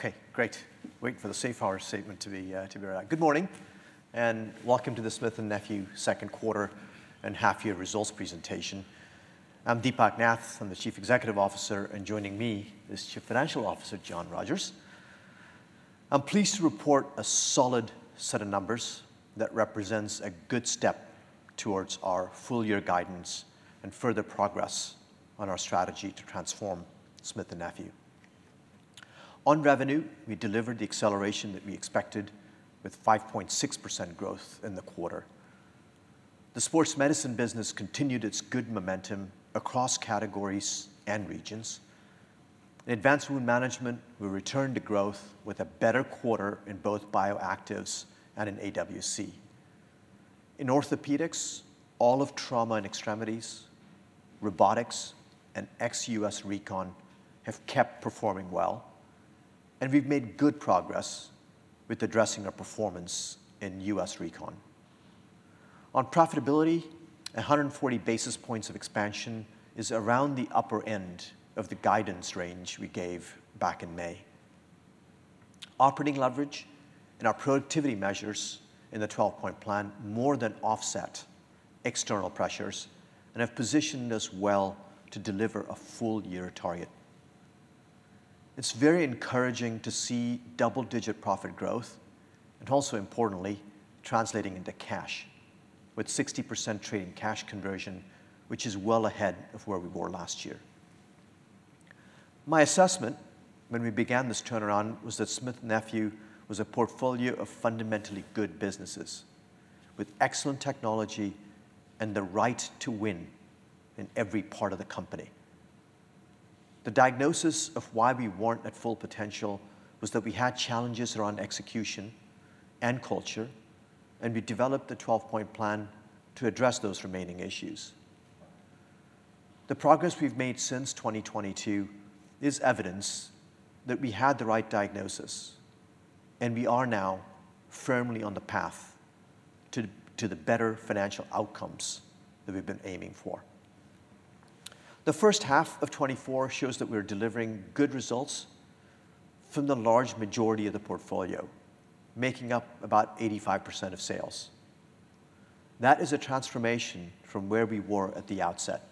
Okay, great. Waiting for the safe harbor statement to be to be read. Good morning, and welcome to the Smith & Nephew second quarter and half year results presentation. I'm Deepak Nath. I'm the Chief Executive Officer, and joining me is Chief Financial Officer, John Rogers. I'm pleased to report a solid set of numbers that represents a good step towards our full year guidance and further progress on our strategy to transform Smith & Nephew. On revenue, we delivered the acceleration that we expected with 5.6% growth in the quarter. The Sports Medicine business continued its good momentum across categories and regions. In Advanced Wound Management, we returned to growth with a better quarter in both Bioactives and in AWC. In orthopedics, all of Trauma and Extremities, robotics, and ex-U.S. Recon have kept performing well, and we've made good progress with addressing our performance in U.S. Recon. On profitability, 100 basis points of expansion is around the upper end of the guidance range we gave back in May. Operating leverage and our productivity measures in the 12-point plan more than offset external pressures and have positioned us well to deliver a full year target. It's very encouraging to see double-digit profit growth and also importantly, translating into cash with 60% trading cash conversion, which is well ahead of where we were last year. My assessment when we began this turnaround was that Smith+Nephew was a portfolio of fundamentally good businesses, with excellent technology and the right to win in every part of the company. The diagnosis of why we weren't at full potential was that we had challenges around execution and culture, and we developed the 12-point plan to address those remaining issues. The progress we've made since 2022 is evidence that we had the right diagnosis, and we are now firmly on the path to the better financial outcomes that we've been aiming for. The first half of 2024 shows that we're delivering good results from the large majority of the portfolio, making up about 85% of sales. That is a transformation from where we were at the outset,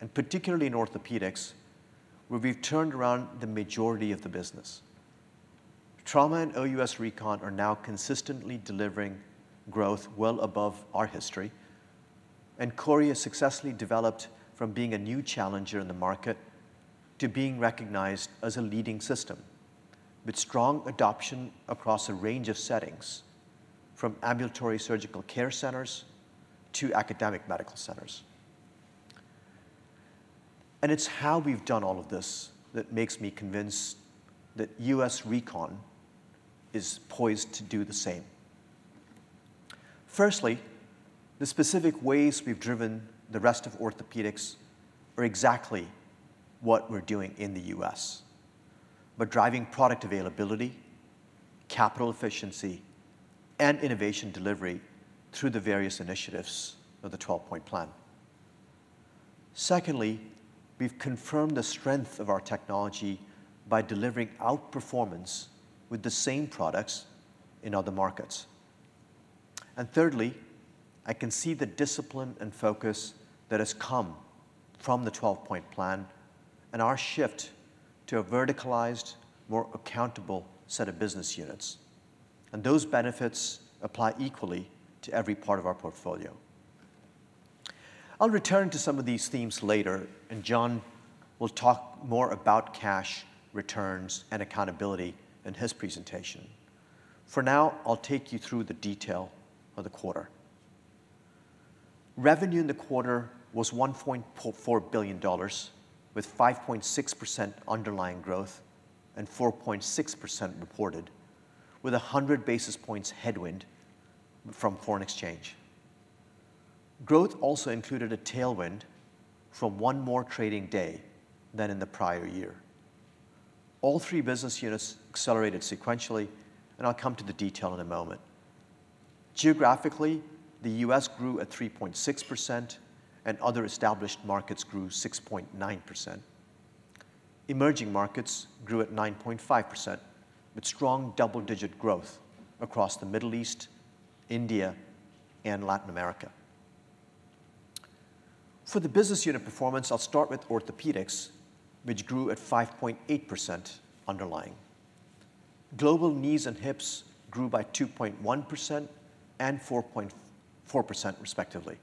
and particularly in orthopedics, where we've turned around the majority of the business. Trauma and OUS Recon are now consistently delivering growth well above our history, and CORI has successfully developed from being a new challenger in the market to being recognized as a leading system, with strong adoption across a range of settings, from ambulatory surgical care centers to academic medical centers. It's how we've done all of this that makes me convinced that U.S. Recon is poised to do the same. Firstly, the specific ways we've driven the rest of orthopedics are exactly what we're doing in the U.S., by driving product availability, capital efficiency, and innovation delivery through the various initiatives of the twelve-point plan. Secondly, we've confirmed the strength of our technology by delivering outperformance with the same products in other markets. Thirdly, I can see the discipline and focus that has come from the 12-point plan and our shift to a verticalized, more accountable set of business units, and those benefits apply equally to every part of our portfolio. I'll return to some of these themes later, and John will talk more about cash, returns, and accountability in his presentation. For now, I'll take you through the detail of the quarter. Revenue in the quarter was $1.4 billion, with 5.6% underlying growth and 4.6% reported, with 100 basis points headwind from foreign exchange. Growth also included a tailwind from 1 more trading day than in the prior year. All 3 business units accelerated sequentially, and I'll come to the detail in a moment. Geographically, the US grew at 3.6%, and other established markets grew 6.9%. Emerging markets grew at 9.5%, with strong double-digit growth across the Middle East, India, and Latin America. For the business unit performance, I'll start with Orthopaedics, which grew at 5.8% underlying. Global knees and hips grew by 2.1% and 4.4%, respectively.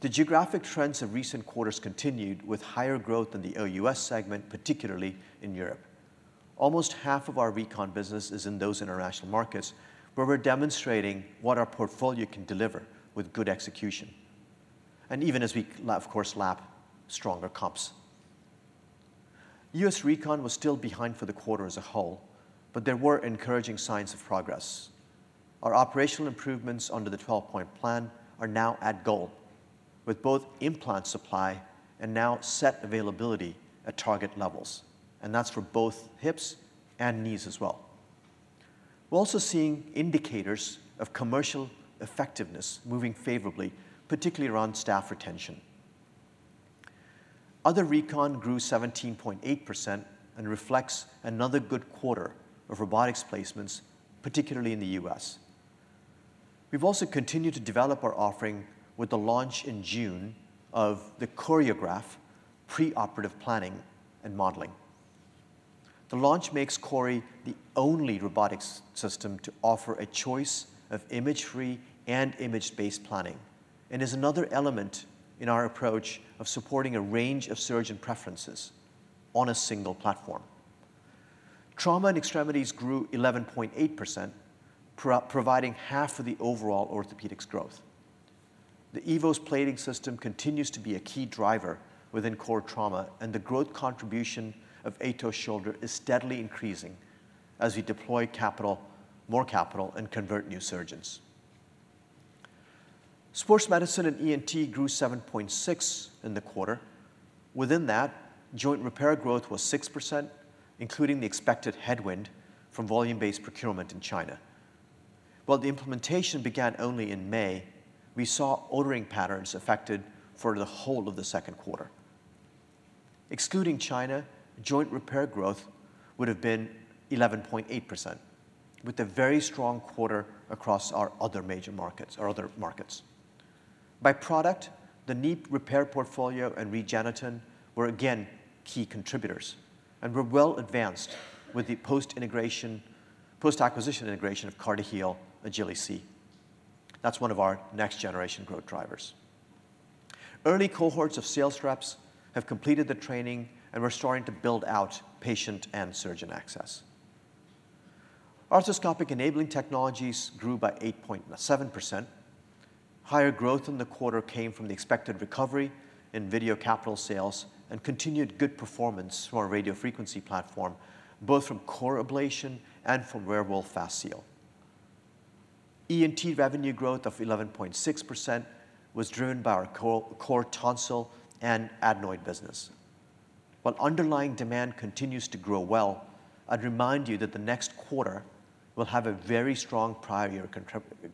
The geographic trends of recent quarters continued with higher growth in the OUS segment, particularly in Europe. Almost half of our Recon business is in those international markets, where we're demonstrating what our portfolio can deliver with good execution, and even as we, of course, lap stronger comps. US Recon was still behind for the quarter as a whole, but there were encouraging signs of progress. Our operational improvements under the 12-point plan are now at goal, with both implant supply and now set availability at target levels, and that's for both hips and knees as well. We're also seeing indicators of commercial effectiveness moving favorably, particularly around staff retention. Other Recon grew 17.8% and reflects another good quarter of robotics placements, particularly in the U.S. We've also continued to develop our offering with the launch in June of the CORIOGRAPH Pre-Operative Planning and Modeling. The launch makes CORI the only robotics system to offer a choice of imagery and image-based planning, and is another element in our approach of supporting a range of surgeon preferences on a single platform. Trauma and extremities grew 11.8%, providing half of the overall orthopedics growth. The EVOS plating system continues to be a key driver within core trauma, and the growth contribution of AETOS shoulder is steadily increasing as we deploy capital, more capital, and convert new surgeons. Sports medicine and ENT grew 7.6 in the quarter. Within that, Joint Repair growth was 6%, including the expected headwind from volume-based procurement in China. While the implementation began only in May, we saw ordering patterns affected for the whole of the second quarter. Excluding China, Joint Repair growth would have been 11.8%, with a very strong quarter across our other major markets or other markets. By product, the Knee Repair portfolio and REGENETEN were again key contributors, and we're well advanced with the post-integration, post-acquisition integration of CartiHeal Agili-C. That's one of our next-generation growth drivers. Early cohorts of sales reps have completed the training, and we're starting to build out patient and surgeon access. Arthroscopic Enabling Technologies grew by 8.7%. Higher growth in the quarter came from the expected recovery in video capital sales and continued good performance from our radiofrequency platform, both from core ablation and from Werewolf FastSeal. ENT revenue growth of 11.6% was driven by our core Tonsil and Adenoid business. While underlying demand continues to grow well, I'd remind you that the next quarter will have a very strong prior year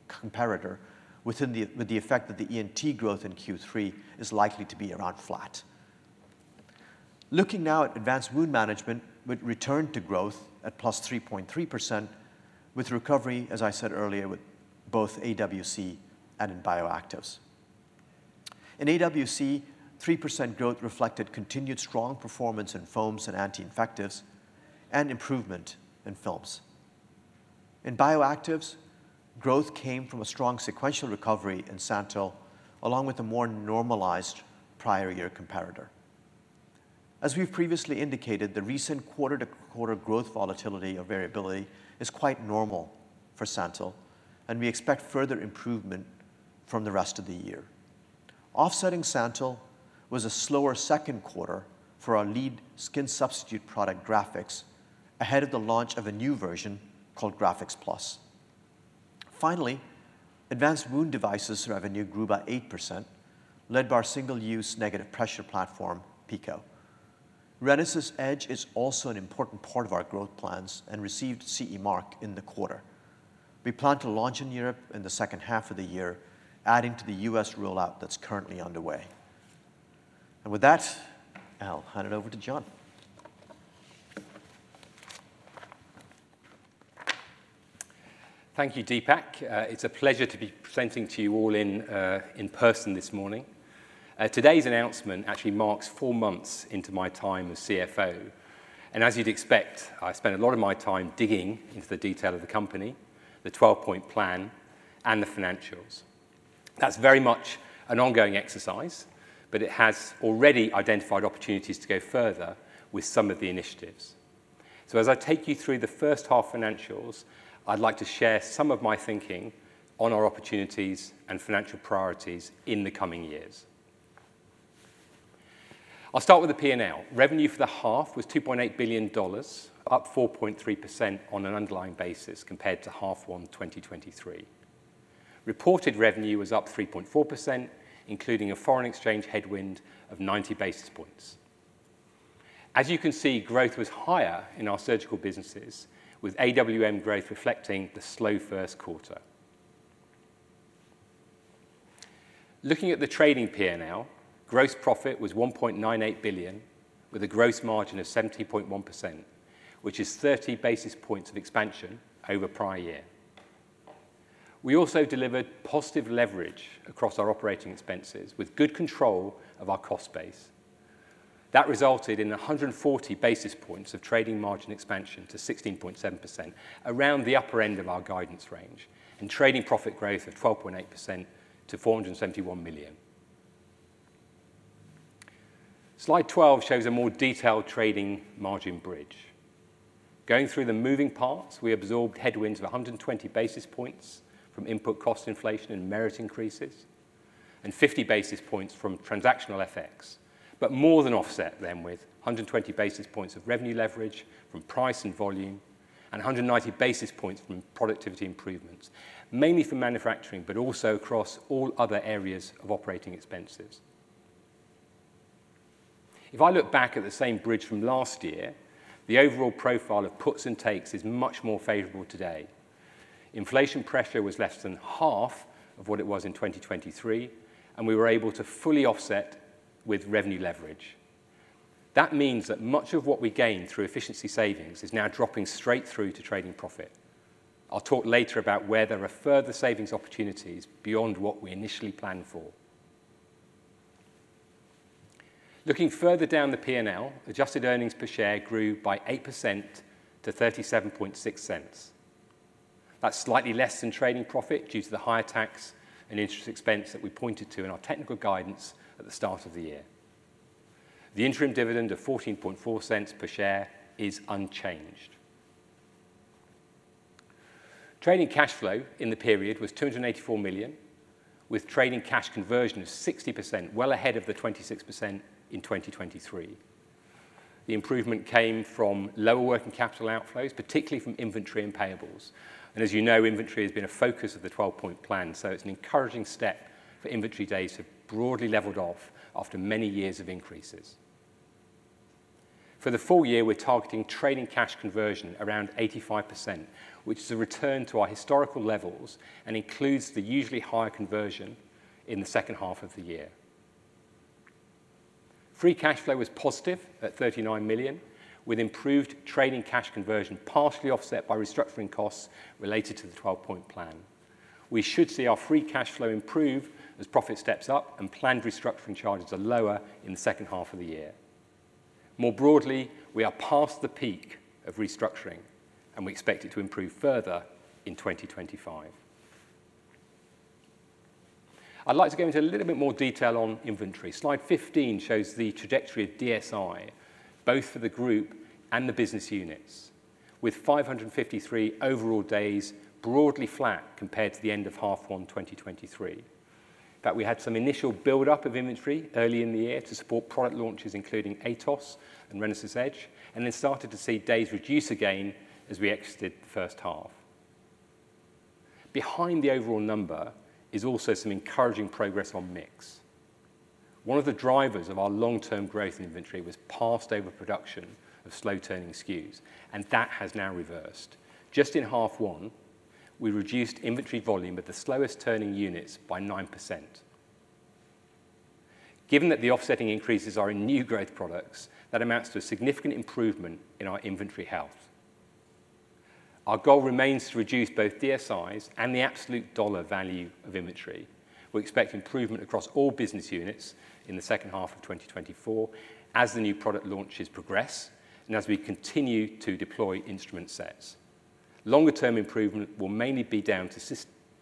comparator with the effect that the ENT growth in Q3 is likely to be around flat. Looking now at Advanced Wound Management, with return to growth at +3.3%, with recovery, as I said earlier, with both AWC and in Bioactives. In AWC, 3% growth reflected continued strong performance in foams and anti-infectives and improvement in films. In Bioactives, growth came from a strong sequential recovery in SANTYL, along with a more normalized prior year comparator. As we've previously indicated, the recent quarter-to-quarter growth volatility or variability is quite normal for SANTYL, and we expect further improvement from the rest of the year. Offsetting SANTYL was a slower second quarter for our lead skin substitute product, GRAFIX, ahead of the launch of a new version called Grafix Plus. Finally, Advanced Wound Devices revenue grew by 8%, led by our single-use negative pressure platform, PICO. RENASYS EDGE is also an important part of our growth plans and received CE Mark in the quarter. We plan to launch in Europe in the second half of the year, adding to the U.S. rollout that's currently underway. With that, I'll hand it over to John. Thank you, Deepak. It's a pleasure to be presenting to you all in person this morning. Today's announcement actually marks 4 months into my time as CFO, and as you'd expect, I spent a lot of my time digging into the detail of the company, the 12-point plan, and the financials. That's very much an ongoing exercise, but it has already identified opportunities to go further with some of the initiatives. So as I take you through the first half financials, I'd like to share some of my thinking on our opportunities and financial priorities in the coming years. I'll start with the P&L. Revenue for the half was $2.8 billion, up 4.3% on an underlying basis compared to H1 2023. Reported revenue was up 3.4%, including a foreign exchange headwind of 90 basis points. As you can see, growth was higher in our surgical businesses, with AWM growth reflecting the slow first quarter. Looking at the trading P&L, gross profit was $1.98 billion, with a gross margin of 70.1%, which is 30 basis points of expansion over prior year. We also delivered positive leverage across our operating expenses with good control of our cost base. That resulted in 140 basis points of trading margin expansion to 16.7%, around the upper end of our guidance range, and trading profit growth of 12.8% to $471 million. Slide 12 shows a more detailed trading margin bridge. Going through the moving parts, we absorbed headwinds of 120 basis points from input cost inflation and merit increases, and 50 basis points from transactional FX, but more than offset them with 120 basis points of revenue leverage from price and volume and 190 basis points from productivity improvements, mainly from manufacturing, but also across all other areas of operating expenses. If I look back at the same bridge from last year, the overall profile of puts and takes is much more favorable today. Inflation pressure was less than half of what it was in 2023, and we were able to fully offset with revenue leverage. That means that much of what we gain through efficiency savings is now dropping straight through to trading profit. I'll talk later about where there are further savings opportunities beyond what we initially planned for. Looking further down the P&L, adjusted earnings per share grew by 8% to $0.376. That's slightly less than trading profit due to the higher tax and interest expense that we pointed to in our technical guidance at the start of the year. The interim dividend of $0.144 per share is unchanged. Trading cash flow in the period was $284 million, with trading cash conversion of 60%, well ahead of the 26% in 2023. The improvement came from lower working capital outflows, particularly from inventory and payables. And as you know, inventory has been a focus of the 12-point plan, so it's an encouraging step for inventory days to have broadly leveled off after many years of increases. For the full year, we're targeting trading cash conversion around 85%, which is a return to our historical levels and includes the usually higher conversion in the second half of the year. Free cash flow was positive at $39 million, with improved trading cash conversion partially offset by restructuring costs related to the 12-point plan. We should see our free cash flow improve as profit steps up and planned restructuring charges are lower in the second half of the year. More broadly, we are past the peak of restructuring, and we expect it to improve further in 2025. I'd like to go into a little bit more detail on inventory. Slide 15 shows the trajectory of DSI, both for the group and the business units, with 553 overall days broadly flat compared to the end of half 1 2023. But we had some initial buildup of inventory early in the year to support product launches, including AETOS and RENASYS EDGE, and then started to see days reduce again as we exited the first half. Behind the overall number is also some encouraging progress on mix. One of the drivers of our long-term growth in inventory was past overproduction of slow-turning SKUs, and that has now reversed. Just in half one, we reduced inventory volume at the slowest-turning units by 9%. Given that the offsetting increases are in new growth products, that amounts to a significant improvement in our inventory health. Our goal remains to reduce both DSIs and the absolute dollar value of inventory. We expect improvement across all business units in the second half of 2024 as the new product launches progress and as we continue to deploy instrument sets. Longer-term improvement will mainly be down to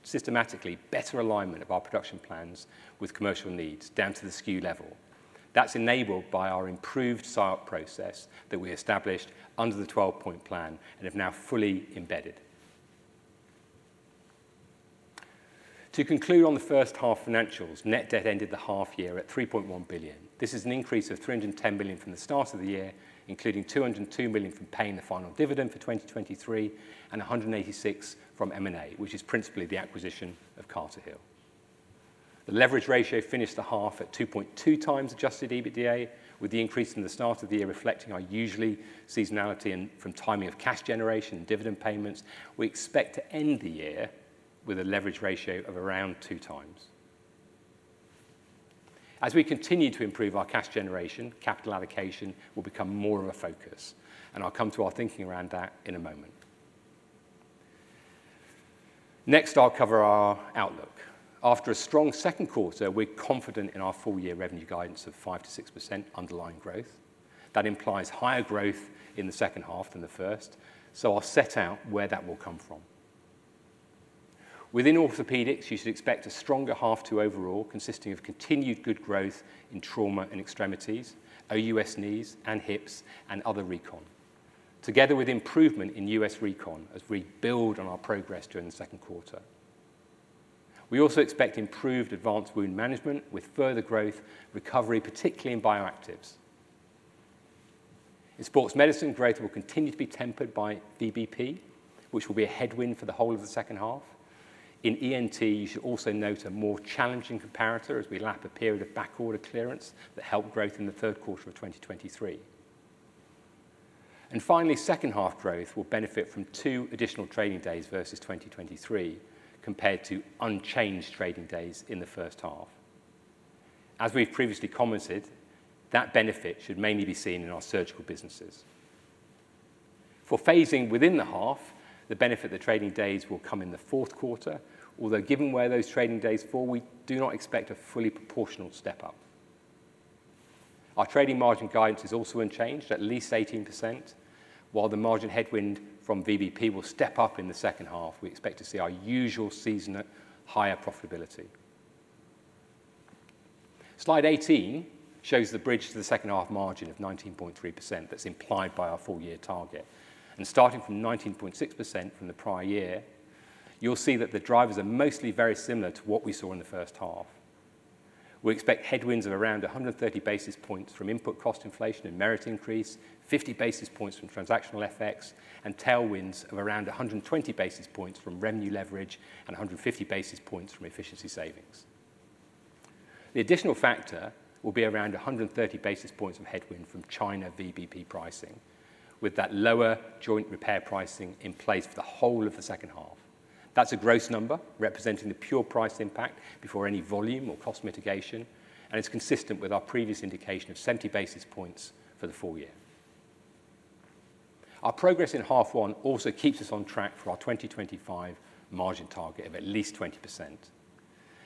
systematically better alignment of our production plans with commercial needs, down to the SKU level. That's enabled by our improved SIOP process that we established under the twelve-point plan and have now fully embedded. To conclude on the first half financials, net debt ended the half year at $3.1 billion. This is an increase of $310 million from the start of the year, including $202 million from paying the final dividend for 2023 and $186 million from M&A, which is principally the acquisition of CartiHeal. The leverage ratio finished the half at 2.2x adjusted EBITDA, with the increase from the start of the year reflecting our usual seasonality and from timing of cash generation and dividend payments. We expect to end the year with a leverage ratio of around 2 times. As we continue to improve our cash generation, capital allocation will become more of a focus, and I'll come to our thinking around that in a moment. Next, I'll cover our outlook. After a strong second quarter, we're confident in our full-year revenue guidance of 5%-6% underlying growth. That implies higher growth in the second half than the first, so I'll set out where that will come from. Within Orthopedics, you should expect a stronger half to overall, consisting of continued good growth in Trauma and Extremities, OUS knees and hips, and other recon, together with improvement in U.S. recon as we build on our progress during the second quarter. We also expect improved Advanced Wound Management with further growth recovery, particularly in Bioactives. In Sports Medicine, growth will continue to be tempered by VBP, which will be a headwind for the whole of the second half. In ENT, you should also note a more challenging comparator as we lap a period of backorder clearance that helped growth in the third quarter of 2023. And finally, second-half growth will benefit from 2 additional trading days versus 2023, compared to unchanged trading days in the first half. As we've previously commented, that benefit should mainly be seen in our surgical businesses. For phasing within the half, the benefit of the trading days will come in the fourth quarter, although given where those trading days fall, we do not expect a fully proportional step-up. Our trading margin guidance is also unchanged, at least 18%. While the margin headwind from VBP will step up in the second half, we expect to see our usual season at higher profitability. Slide 18 shows the bridge to the second-half margin of 19.3% that's implied by our full-year target. Starting from 19.6% from the prior year, you'll see that the drivers are mostly very similar to what we saw in the first half. We expect headwinds of around 130 basis points from input cost inflation and merit increase, 50 basis points from transactional FX, and tailwinds of around 120 basis points from revenue leverage and 150 basis points from efficiency savings. The additional factor will be around 130 basis points of headwind from China VBP pricing, with that lower Joint Repair pricing in place for the whole of the second half. That's a gross number representing the pure price impact before any volume or cost mitigation, and it's consistent with our previous indication of 70 basis points for the full year. Our progress in half one also keeps us on track for our 2025 margin target of at least 20%.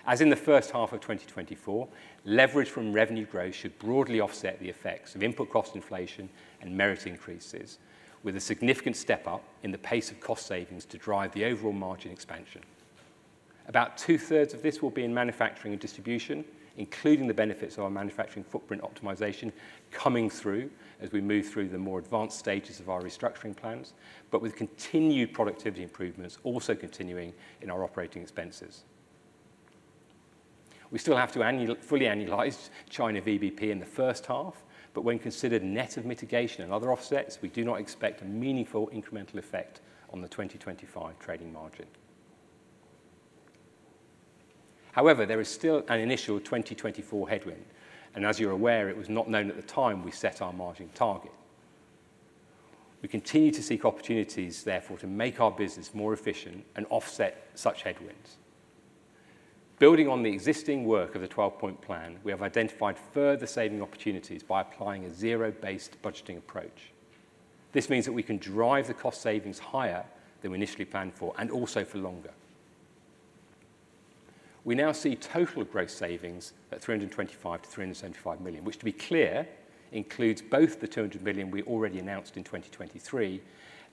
As in the first half of 2024, leverage from revenue growth should broadly offset the effects of input cost inflation and merit increases, with a significant step up in the pace of cost savings to drive the overall margin expansion. About two-thirds of this will be in manufacturing and distribution, including the benefits of our manufacturing footprint optimization coming through as we move through the more advanced stages of our restructuring plans, but with continued productivity improvements also continuing in our operating expenses. We still have to fully annualize China VBP in the first half, but when considered net of mitigation and other offsets, we do not expect a meaningful incremental effect on the 2025 trading margin. However, there is still an initial 2024 headwind, and as you're aware, it was not known at the time we set our margin target. We continue to seek opportunities, therefore, to make our business more efficient and offset such headwinds. Building on the existing work of the 12-point plan, we have identified further saving opportunities by applying a zero-based budgeting approach. This means that we can drive the cost savings higher than we initially planned for, and also for longer. We now see total gross savings at $325 million-$375 million, which, to be clear, includes both the $200 million we already announced in 2023,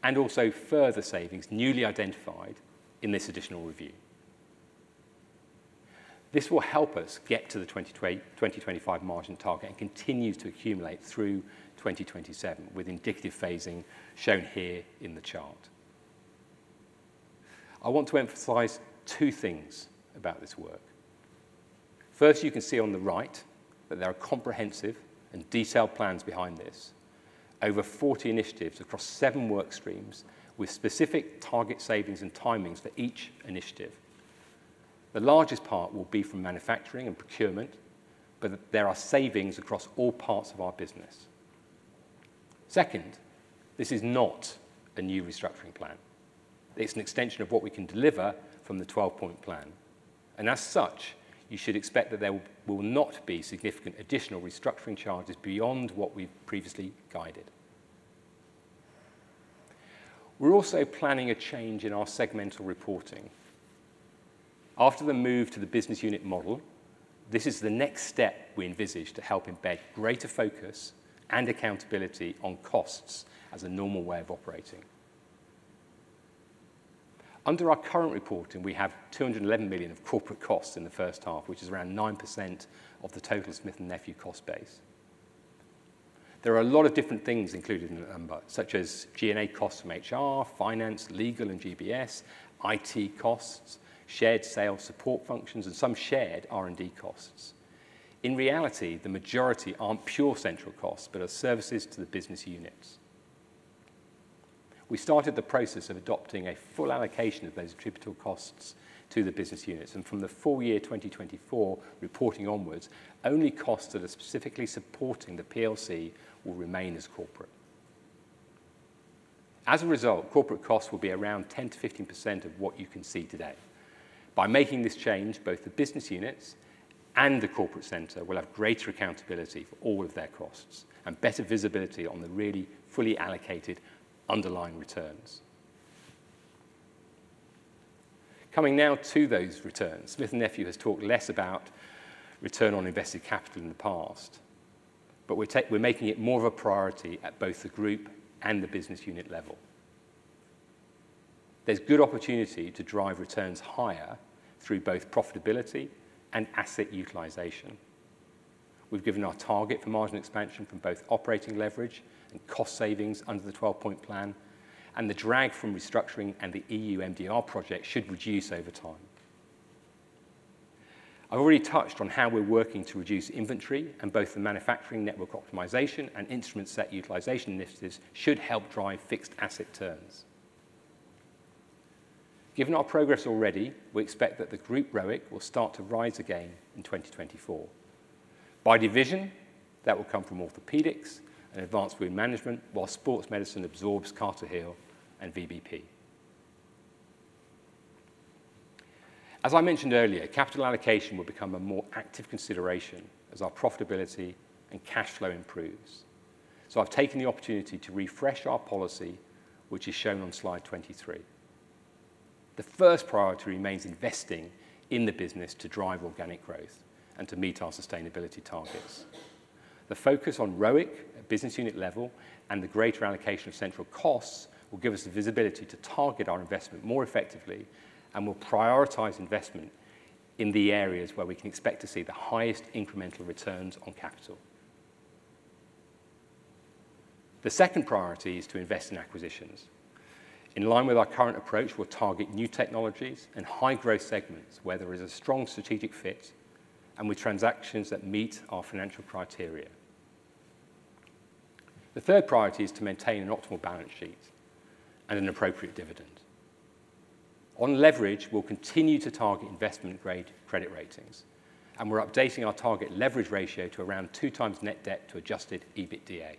and also further savings newly identified in this additional review. This will help us get to the 2025 margin target and continues to accumulate through 2027, with indicative phasing shown here in the chart. I want to emphasize two things about this work. First, you can see on the right that there are comprehensive and detailed plans behind this. Over 40 initiatives across seven work streams, with specific target savings and timings for each initiative. The largest part will be from manufacturing and procurement, but there are savings across all parts of our business. Second, this is not a new restructuring plan. It's an extension of what we can deliver from the 12-point plan, and as such, you should expect that there will not be significant additional restructuring charges beyond what we've previously guided. We're also planning a change in our segmental reporting. After the move to the business unit model, this is the next step we envisage to help embed greater focus and accountability on costs as a normal way of operating. Under our current reporting, we have $211 million of corporate costs in the first half, which is around 9% of the total Smith+Nephew cost base. There are a lot of different things included in the number, such as G&A costs from HR, finance, legal, and GBS, IT costs, shared sales support functions, and some shared R&D costs. In reality, the majority aren't pure central costs, but are services to the business units. We started the process of adopting a full allocation of those attributable costs to the business units, and from the full year 2024 reporting onwards, only costs that are specifically supporting the PLC will remain as corporate. As a result, corporate costs will be around 10%-15% of what you can see today. By making this change, both the business units and the corporate center will have greater accountability for all of their costs and better visibility on the really fully allocated underlying returns. Coming now to those returns, Smith+Nephew has talked less about return on invested capital in the past, but we're making it more of a priority at both the group and the business unit level. There's good opportunity to drive returns higher through both profitability and asset utilization. We've given our target for margin expansion from both operating leverage and cost savings under the 12-point plan, and the drag from restructuring and the EU MDR project should reduce over time. I've already touched on how we're working to reduce inventory, and both the manufacturing network optimization and instrument set utilization initiatives should help drive fixed asset turns. Given our progress already, we expect that the group ROIC will start to rise again in 2024. By division, that will come from orthopedics and Advanced Wound Management, while Sports Medicine absorbs CartiHeal and VBP. As I mentioned earlier, capital allocation will become a more active consideration as our profitability and cash flow improves. So I've taken the opportunity to refresh our policy, which is shown on slide 23. The first priority remains investing in the business to drive organic growth and to meet our sustainability targets. The focus on ROIC at business unit level and the greater allocation of central costs will give us the visibility to target our investment more effectively and will prioritize investment in the areas where we can expect to see the highest incremental returns on capital. The second priority is to invest in acquisitions. In line with our current approach, we'll target new technologies and high-growth segments where there is a strong strategic fit and with transactions that meet our financial criteria.... The third priority is to maintain an optimal balance sheet and an appropriate dividend. On leverage, we'll continue to target investment-grade credit ratings, and we're updating our target leverage ratio to around two times net debt to adjusted EBITDA.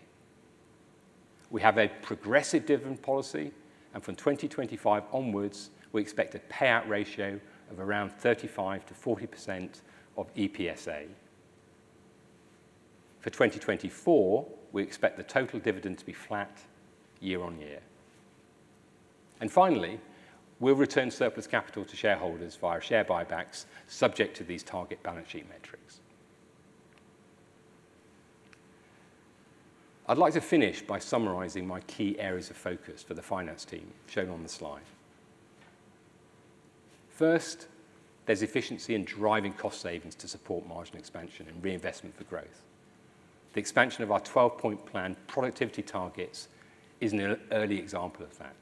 We have a progressive dividend policy, and from 2025 onwards, we expect a payout ratio of around 35%-40% of EPSA. For 2024, we expect the total dividend to be flat year-on-year. And finally, we'll return surplus capital to shareholders via share buybacks, subject to these target balance sheet metrics. I'd like to finish by summarizing my key areas of focus for the finance team, shown on the slide. First, there's efficiency in driving cost savings to support margin expansion and reinvestment for growth. The expansion of our 12-point plan productivity targets is an early example of that.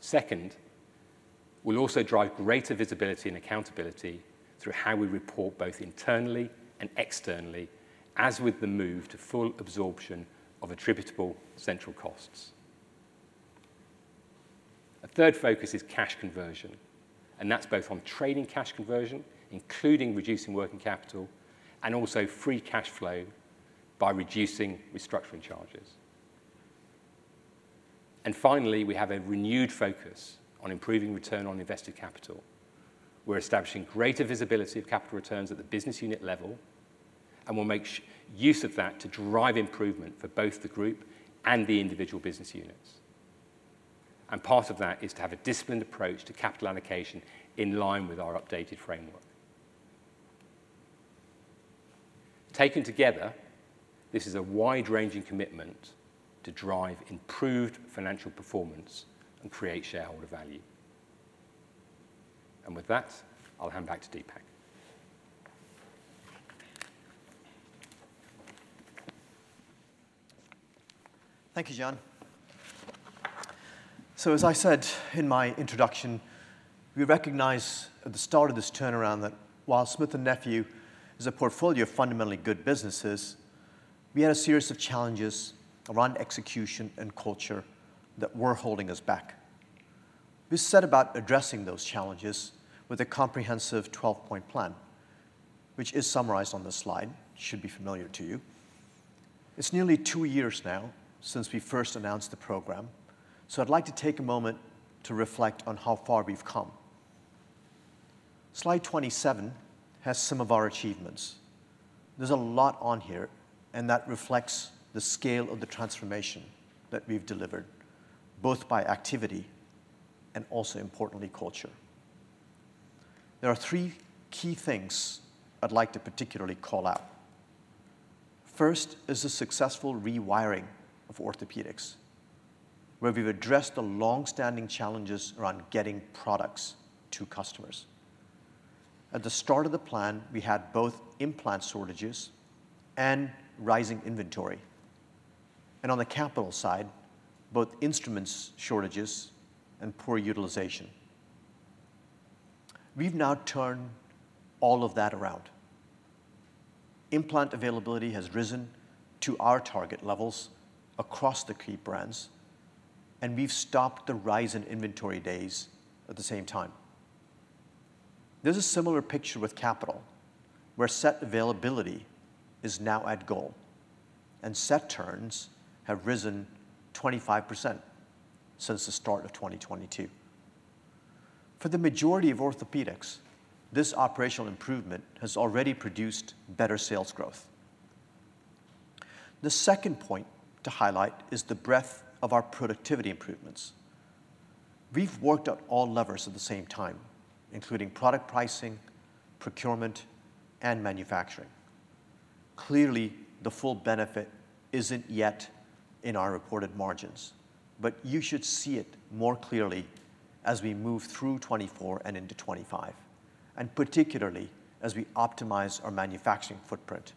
Second, we'll also drive greater visibility and accountability through how we report both internally and externally, as with the move to full absorption of attributable central costs. A third focus is cash conversion, and that's both on trading cash conversion, including reducing working capital, and also free cash flow by reducing restructuring charges. Finally, we have a renewed focus on improving return on invested capital. We're establishing greater visibility of capital returns at the business unit level, and we'll make use of that to drive improvement for both the group and the individual business units. Part of that is to have a disciplined approach to capital allocation in line with our updated framework. Taken together, this is a wide-ranging commitment to drive improved financial performance and create shareholder value. With that, I'll hand back to Deepak. Thank you, John. So as I said in my introduction, we recognized at the start of this turnaround that while Smith & Nephew is a portfolio of fundamentally good businesses, we had a series of challenges around execution and culture that were holding us back. We set about addressing those challenges with a comprehensive 12-point plan, which is summarized on this slide. Should be familiar to you. It's nearly 2 years now since we first announced the program, so I'd like to take a moment to reflect on how far we've come. Slide 27 has some of our achievements. There's a lot on here, and that reflects the scale of the transformation that we've delivered, both by activity and also, importantly, culture. There are three key things I'd like to particularly call out. First is the successful rewiring of Orthopedics, where we've addressed the long-standing challenges around getting products to customers. At the start of the plan, we had both implant shortages and rising inventory. On the capital side, both instrument shortages and poor utilization. We've now turned all of that around. Implant availability has risen to our target levels across the key brands, and we've stopped the rise in inventory days at the same time. There's a similar picture with capital, where set availability is now at goal and set turns have risen 25% since the start of 2022. For the majority of Orthopedics, this operational improvement has already produced better sales growth. The second point to highlight is the breadth of our productivity improvements. We've worked on all levers at the same time, including product pricing, procurement, and manufacturing. Clearly, the full benefit isn't yet in our reported margins, but you should see it more clearly as we move through 2024 and into 2025, and particularly as we optimize our manufacturing footprint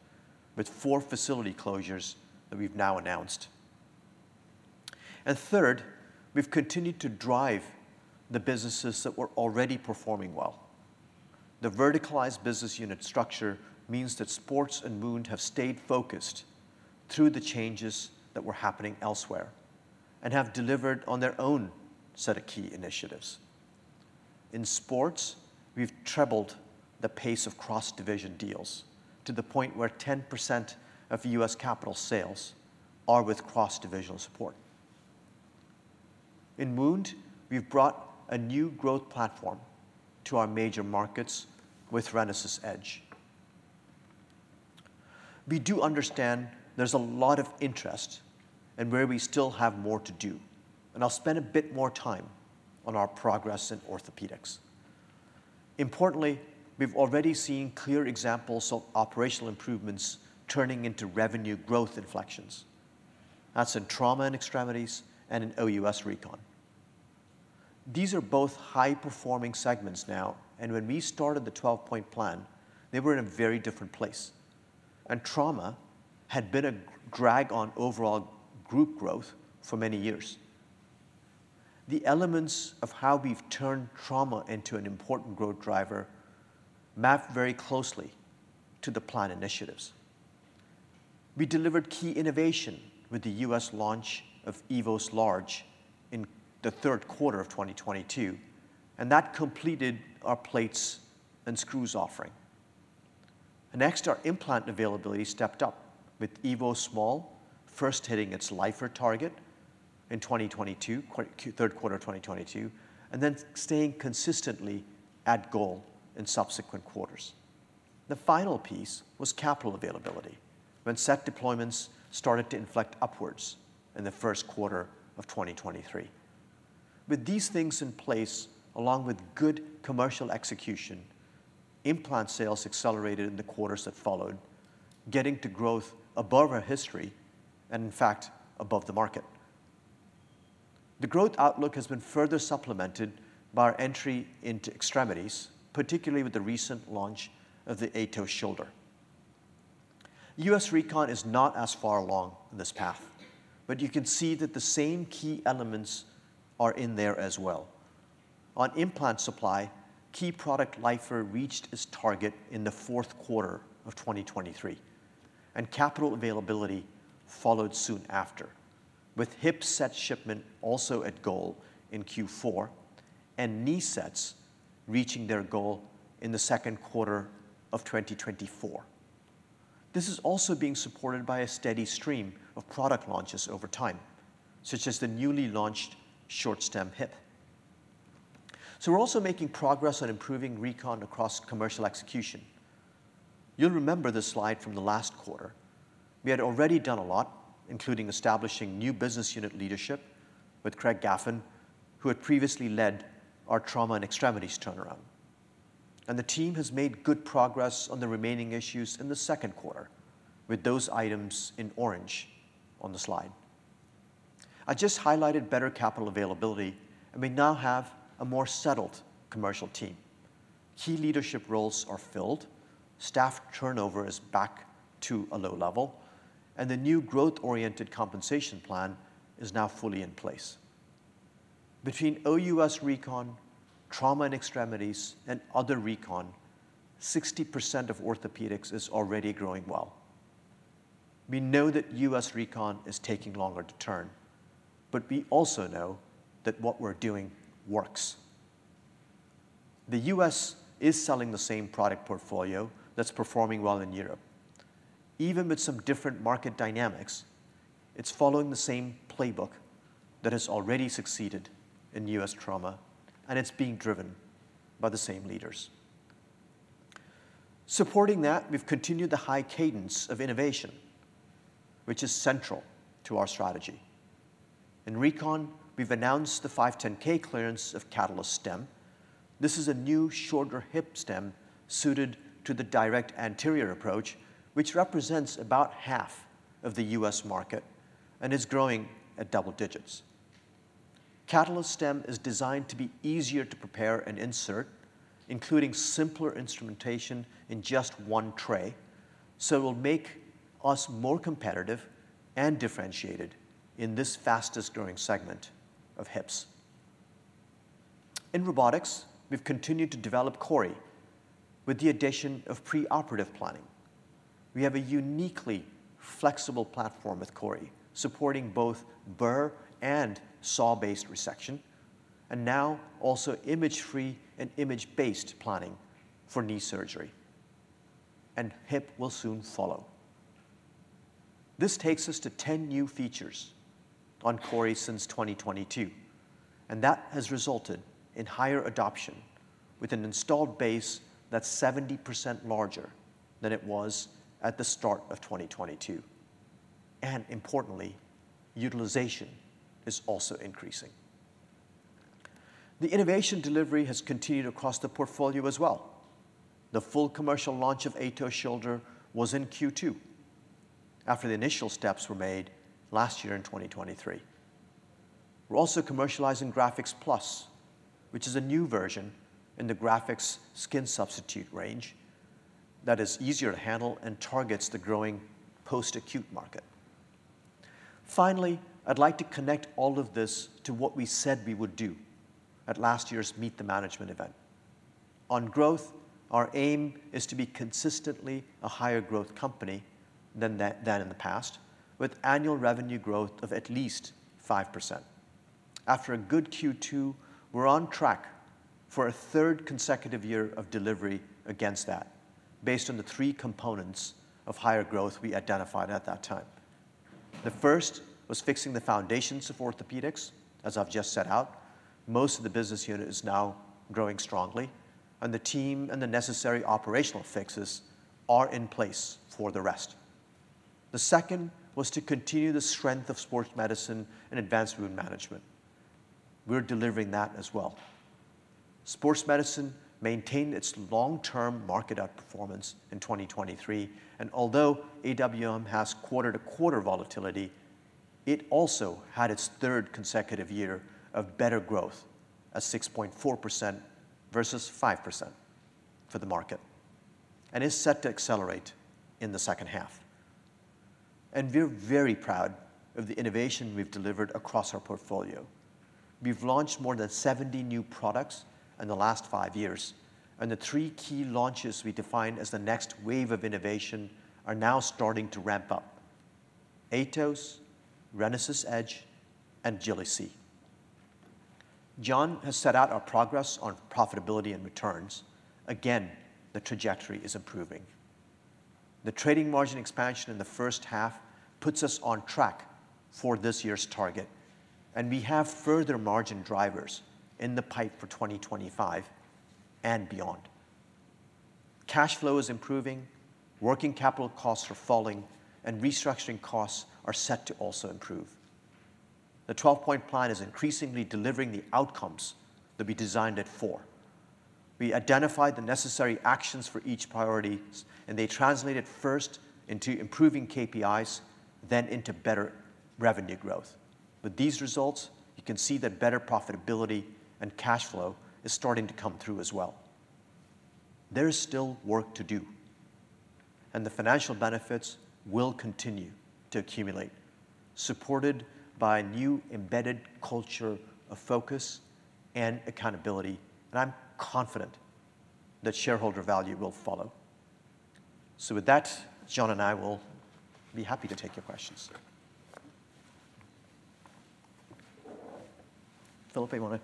with 4 facility closures that we've now announced. And third, we've continued to drive the businesses that were already performing well. The verticalized business unit structure means that Sports and Wound have stayed focused through the changes that were happening elsewhere and have delivered on their own set of key initiatives. In Sports, we've trebled the pace of cross-division deals to the point where 10% of U.S. capital sales are with cross-divisional support. In Wound, we've brought a new growth platform to our major markets with RENASYS EDGE. We do understand there's a lot of interest and where we still have more to do, and I'll spend a bit more time on our progress in Orthopaedics. Importantly, we've already seen clear examples of operational improvements turning into revenue growth inflections. That's in Trauma and Extremities and in OUS Recon. These are both high-performing segments now, and when we started the 12-point plan, they were in a very different place, and Trauma had been a drag on overall group growth for many years.... The elements of how we've turned trauma into an important growth driver map very closely to the plan initiatives. We delivered key innovation with the U.S. launch of EVOS Large in the third quarter of 2022, and that completed our plates and screws offering. Next, our implant availability stepped up, with EVOS Small first hitting its LIFR target in 2022, third quarter of 2022, and then staying consistently at goal in subsequent quarters. The final piece was capital availability, when set deployments started to inflect upwards in the first quarter of 2023. With these things in place, along with good commercial execution, implant sales accelerated in the quarters that followed, getting to growth above our history and in fact, above the market. The growth outlook has been further supplemented by our entry into extremities, particularly with the recent launch of the AETOS shoulder. US Recon is not as far along in this path, but you can see that the same key elements are in there as well. On implant supply, key product LIFR reached its target in the fourth quarter of 2023, and capital availability followed soon after, with hip set shipment also at goal in Q4, and knee sets reaching their goal in the second quarter of 2024. This is also being supported by a steady stream of product launches over time, such as the newly launched short stem hip. So we're also making progress on improving recon across commercial execution. You'll remember this slide from the last quarter. We had already done a lot, including establishing new business unit leadership with Craig Gaffin, who had previously led our Trauma and Extremities turnaround. And the team has made good progress on the remaining issues in the second quarter with those items in orange on the slide. I just highlighted better capital availability, and we now have a more settled commercial team. Key leadership roles are filled, staff turnover is back to a low level, and the new growth-oriented compensation plan is now fully in place. Between OUS Recon, Trauma and Extremities, and other recon, 60% of orthopedics is already growing well. We know that U.S. Recon is taking longer to turn, but we also know that what we're doing works. The U.S. is selling the same product portfolio that's performing well in Europe. Even with some different market dynamics, it's following the same playbook that has already succeeded in U.S. trauma, and it's being driven by the same leaders. Supporting that, we've continued the high cadence of innovation, which is central to our strategy. In Recon, we've announced the 510(k) clearance of CATALYST Stem. This is a new shorter hip stem suited to the direct anterior approach, which represents about half of the U.S. market and is growing at double digits. CATALYST Stem is designed to be easier to prepare and insert, including simpler instrumentation in just one tray, so it will make us more competitive and differentiated in this fastest-growing segment of hips. In robotics, we've continued to develop CORI with the addition of pre-operative planning. We have a uniquely flexible platform with CORI, supporting both burr and saw-based resection, and now also image-free and image-based planning for knee surgery, and hip will soon follow. This takes us to 10 new features on CORI since 2022, and that has resulted in higher adoption with an installed base that's 70% larger than it was at the start of 2022. Importantly, utilization is also increasing. The innovation delivery has continued across the portfolio as well. The full commercial launch of AETOS Shoulder was in Q2, after the initial steps were made last year in 2023. We're also commercializing Grafix Plus, which is a new version in the Grafix skin substitute range that is easier to handle and targets the growing post-acute market. Finally, I'd like to connect all of this to what we said we would do at last year's Meet the Management event. On growth, our aim is to be consistently a higher growth company than that, than in the past, with annual revenue growth of at least 5%. After a good Q2, we're on track for a third consecutive year of delivery against that, based on the three components of higher growth we identified at that time. The first was fixing the foundations of orthopedics, as I've just set out. Most of the business unit is now growing strongly, and the team and the necessary operational fixes are in place for the rest. The second was to continue the strength of Sports medicine and Advanced Wound Management. We're delivering that as well. Sports Medicine maintained its long-term market outperformance in 2023, and although AWM has quarter-to-quarter volatility, it also had its third consecutive year of better growth at 6.4% versus 5% for the market, and is set to accelerate in the second half. And we're very proud of the innovation we've delivered across our portfolio. We've launched more than 70 new products in the last 5 years, and the 3 key launches we defined as the next wave of innovation are now starting to ramp up: AETOS, RENASYS EDGE, and Agili-C. John has set out our progress on profitability and returns. Again, the trajectory is improving. The trading margin expansion in the first half puts us on track for this year's target, and we have further margin drivers in the pipe for 2025 and beyond. Cash flow is improving, working capital costs are falling, and restructuring costs are set to also improve. The 12-point plan is increasingly delivering the outcomes that we designed it for. We identified the necessary actions for each priority, and they translated first into improving KPIs, then into better revenue growth. With these results, you can see that better profitability and cash flow is starting to come through as well. There is still work to do, and the financial benefits will continue to accumulate, supported by a new embedded culture of focus and accountability, and I'm confident that shareholder value will follow. So with that, John and I will be happy to take your questions. Philip, you want to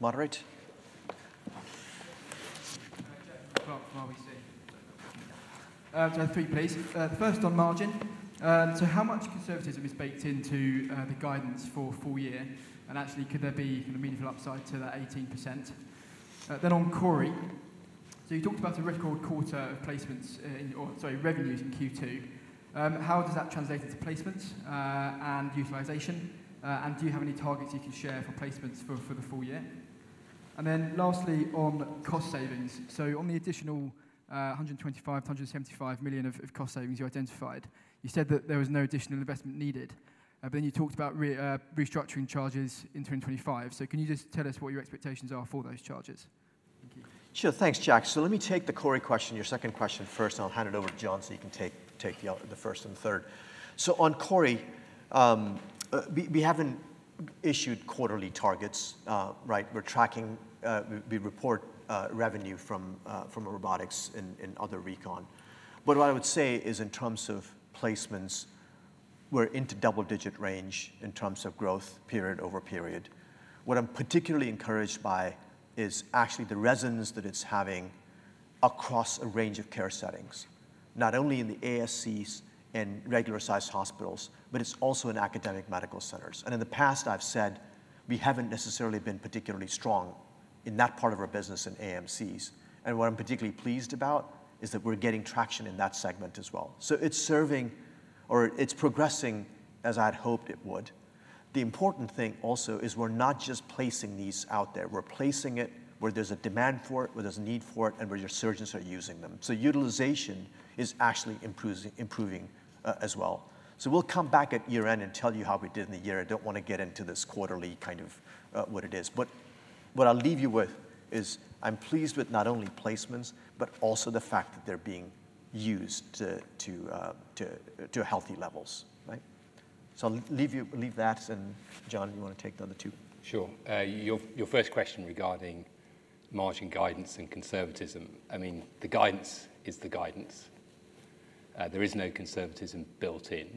moderate? Hi, Jack Reynolds-Clark from RBC. So I have three, please. First, on margin, so how much conservatism is baked into the guidance for full year? And actually, could there be kind of meaningful upside to that 18%? Then on CORI, so you talked about a record quarter of placements in, or sorry, revenues in Q2. How does that translate into placements and utilization? And do you have any targets you can share for placements for the full year? And then lastly, on cost savings. So on the additional $125 million-$175 million of cost savings you identified, you said that there was no additional investment needed. But then you talked about restructuring charges in 2025. So can you just tell us what your expectations are for those charges? Thank you. Sure. Thanks, Jack. So let me take the CORI question, your second question first, and I'll hand it over to John so you can take the first and third. So on CORI, we haven't issued quarterly targets, right? We're tracking, we report revenue from robotics and other Recon. But what I would say is, in terms of placements, we're into double-digit range in terms of growth period over period. What I'm particularly encouraged by is actually the resonance that it's having across a range of care settings, not only in the ASCs and regular-sized hospitals, but it's also in academic medical centers. In the past, I've said we haven't necessarily been particularly strong in that part of our business in AMCs, and what I'm particularly pleased about is that we're getting traction in that segment as well. So it's serving or it's progressing as I'd hoped it would. The important thing also is we're not just placing these out there. We're placing it where there's a demand for it, where there's a need for it, and where your surgeons are using them. So utilization is actually improving as well. So we'll come back at year-end and tell you how we did in the year. I don't want to get into this quarterly kind of what it is. But what I'll leave you with is I'm pleased with not only placements, but also the fact that they're being used to healthy levels, right? So I'll leave that, and, John, you want to take the other two? Sure. Your, your first question regarding margin guidance and conservatism, I mean, the guidance is the guidance. There is no conservatism built in.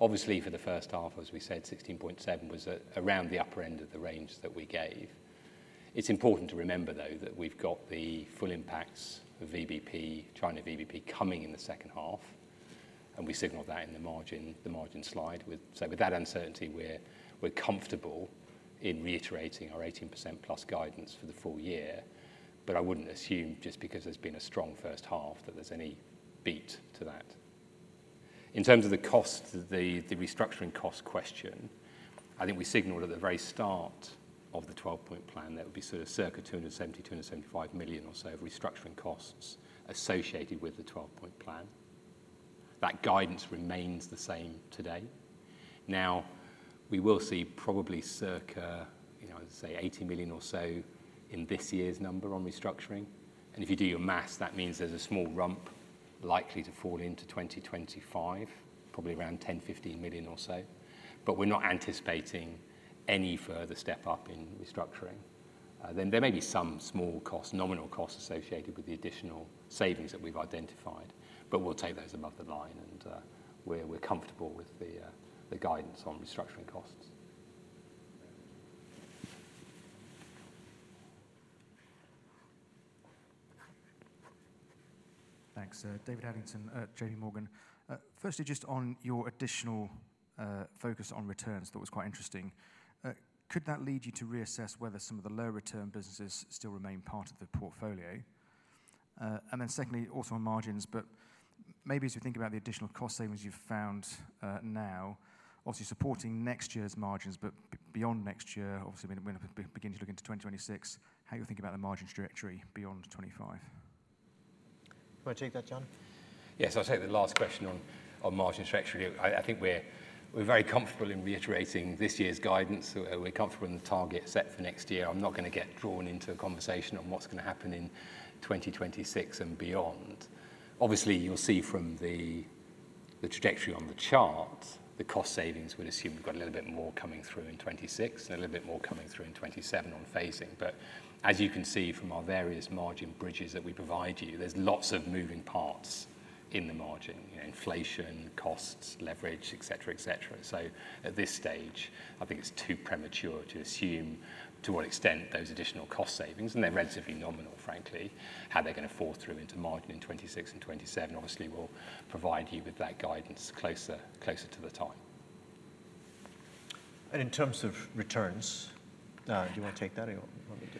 Obviously, for the first half, as we said, 16.7 was around the upper end of the range that we gave. It's important to remember, though, that we've got the full impacts of VBP, China VBP, coming in the second half, and we signaled that in the margin, the margin slide. So with that uncertainty, we're, we're comfortable in reiterating our 18%+ guidance for the full year. But I wouldn't assume just because there's been a strong first half, that there's any beat to that. In terms of the cost, the restructuring cost question, I think we signaled at the very start of the twelve-point plan that would be sort of circa $270-$275 million or so of restructuring costs associated with the twelve-point plan. That guidance remains the same today. Now, we will see probably circa, you know, say, $80 million or so in this year's number on restructuring, and if you do your math, that means there's a small rump likely to fall into 2025, probably around $10-$15 million or so. But we're not anticipating any further step up in restructuring. Then there may be some small cost, nominal costs associated with the additional savings that we've identified, but we'll take those above the line and, we're comfortable with the guidance on restructuring costs. Thanks. David Adlington at J.P. Morgan. Firstly, just on your additional focus on returns, that was quite interesting. Could that lead you to reassess whether some of the low-return businesses still remain part of the portfolio? And then secondly, also on margins, but maybe as we think about the additional cost savings you've found, now, obviously supporting next year's margins, but beyond next year, obviously, when we begin to look into 2026, how you think about the margin trajectory beyond 2025? Want to take that, John? Yes, I'll take the last question on margin trajectory. I think we're very comfortable in reiterating this year's guidance. We're comfortable in the target set for next year. I'm not going to get drawn into a conversation on what's going to happen in 2026 and beyond. Obviously, you'll see from the trajectory on the chart, the cost savings would assume we've got a little bit more coming through in 2026 and a little bit more coming through in 2027 on phasing. But as you can see from our various margin bridges that we provide you, there's lots of moving parts in the margin, you know, inflation, costs, leverage, et cetera, et cetera. So at this stage, I think it's too premature to assume to what extent those additional cost savings, and they're relatively nominal, frankly, how they're gonna fall through into margin in 2026 and 2027. Obviously, we'll provide you with that guidance closer, closer to the time. In terms of returns, do you want to take that or you want me to?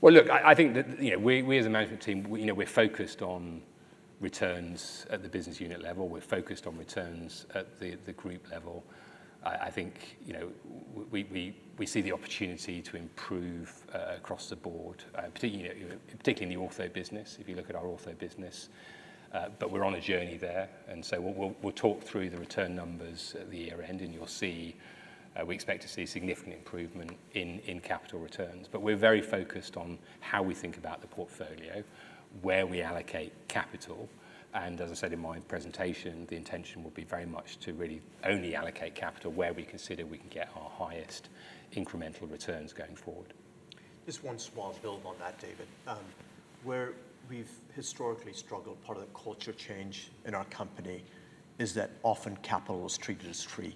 Well, look, I think that, you know, we as a management team, you know, we're focused on returns at the business unit level. We're focused on returns at the group level. I think, you know, we see the opportunity to improve across the board, particularly, you know, particularly in the ortho business, if you look at our ortho business. But we're on a journey there, and so we'll talk through the return numbers at the year-end, and you'll see, we expect to see significant improvement in capital returns. But we're very focused on how we think about the portfolio, where we allocate capital, and as I said in my presentation, the intention will be very much to really only allocate capital where we consider we can get our highest incremental returns going forward. Just one small build on that, David. Where we've historically struggled, part of the culture change in our company, is that often capital was treated as free,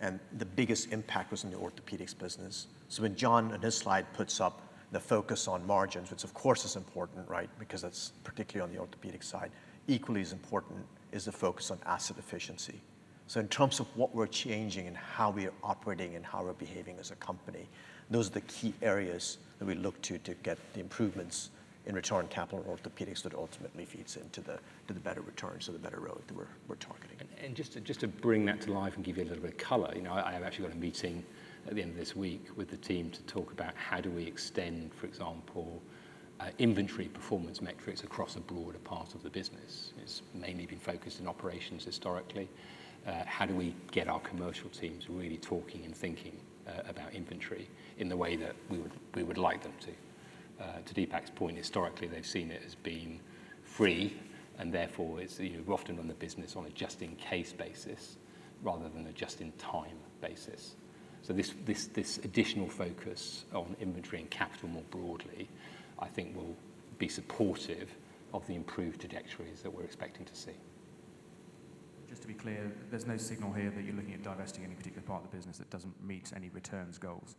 and the biggest impact was in the orthopedics business. So when John, on his slide, puts up the focus on margins, which of course is important, right? Because that's particularly on the orthopedic side. Equally as important is the focus on asset efficiency. So in terms of what we're changing and how we are operating and how we're behaving as a company, those are the key areas that we look to to get the improvements in return on capital orthopedics that ultimately feeds into the, to the better returns or the better road that we're targeting. Just to bring that to life and give you a little bit of color, you know, I've actually got a meeting at the end of this week with the team to talk about how do we extend, for example, inventory performance metrics across a broader part of the business. It's mainly been focused on operations historically. How do we get our commercial teams really talking and thinking about inventory in the way that we would like them to? To Deepak's point, historically, they've seen it as being free, and therefore you've often run the business on a just in case basis rather than a just in time basis. So this additional focus on inventory and capital more broadly, I think will be supportive of the improved trajectories that we're expecting to see. Just to be clear, there's no signal here that you're looking at divesting any particular part of the business that doesn't meet any returns goals?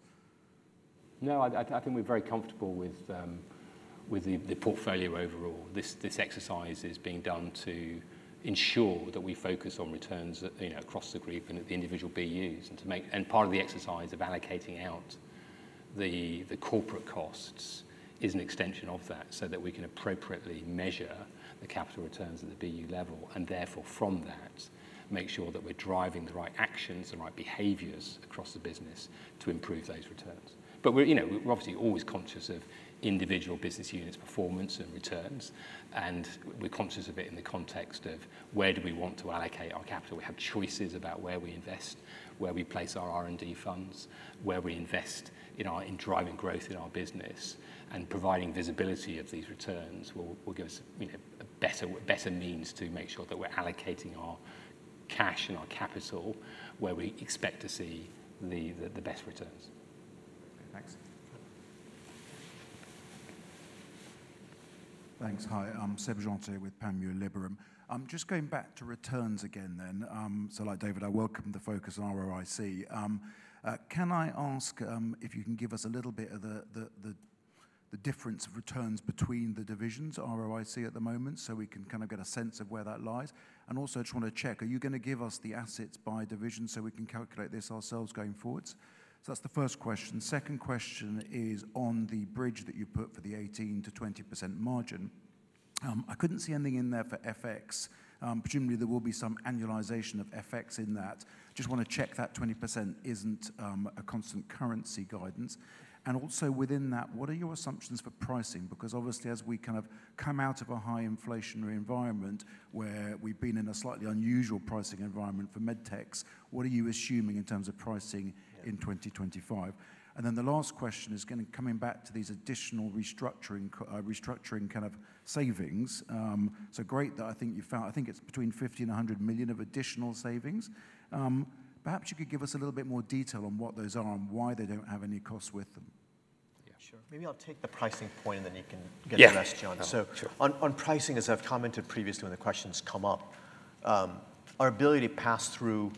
No, I think we're very comfortable with the portfolio overall. This exercise is being done to ensure that we focus on returns, you know, across the group and at the individual BUs, and to make and part of the exercise of allocating out the corporate costs is an extension of that, so that we can appropriately measure the capital returns at the BU level, and therefore from that, make sure that we're driving the right actions, the right behaviors across the business to improve those returns. But we're, you know, we're obviously always conscious of individual business units' performance and returns, and we're conscious of it in the context of where do we want to allocate our capital. We have choices about where we invest, where we place our R&D funds, where we invest in our—in driving growth in our business, and providing visibility of these returns will give us, you know, a better means to make sure that we're allocating our cash and our capital where we expect to see the best returns. Okay, thanks. Thanks. Hi, I'm Sebastien Joly with Panmure Liberum. Just going back to returns again then. So like David, I welcome the focus on ROIC. Can I ask if you can give us a little bit of the difference of returns between the divisions' ROIC at the moment, so we can kind of get a sense of where that lies? And also just want to check, are you gonna give us the assets by division so we can calculate this ourselves going forward? So that's the first question. Second question is, on the bridge that you put for the 18%-20% margin, I couldn't see anything in there for FX. Presumably, there will be some annualization of FX in that. Just want to check that 20% isn't a constant currency guidance. And also within that, what are your assumptions for pricing? Because obviously as we kind of come out of a high inflationary environment where we've been in a slightly unusual pricing environment for med techs, what are you assuming in terms of pricing in 2025? And then the last question is gonna coming back to these additional restructuring kind of savings. So great that I think you found, I think it's between $50 million and $100 million of additional savings. Perhaps you could give us a little bit more detail on what those are and why they don't have any cost with them. Yeah, sure. Maybe I'll take the pricing point, and then you can get the rest, John. Yeah. So- Sure... on pricing, as I've commented previously when the questions come up, our ability to pass through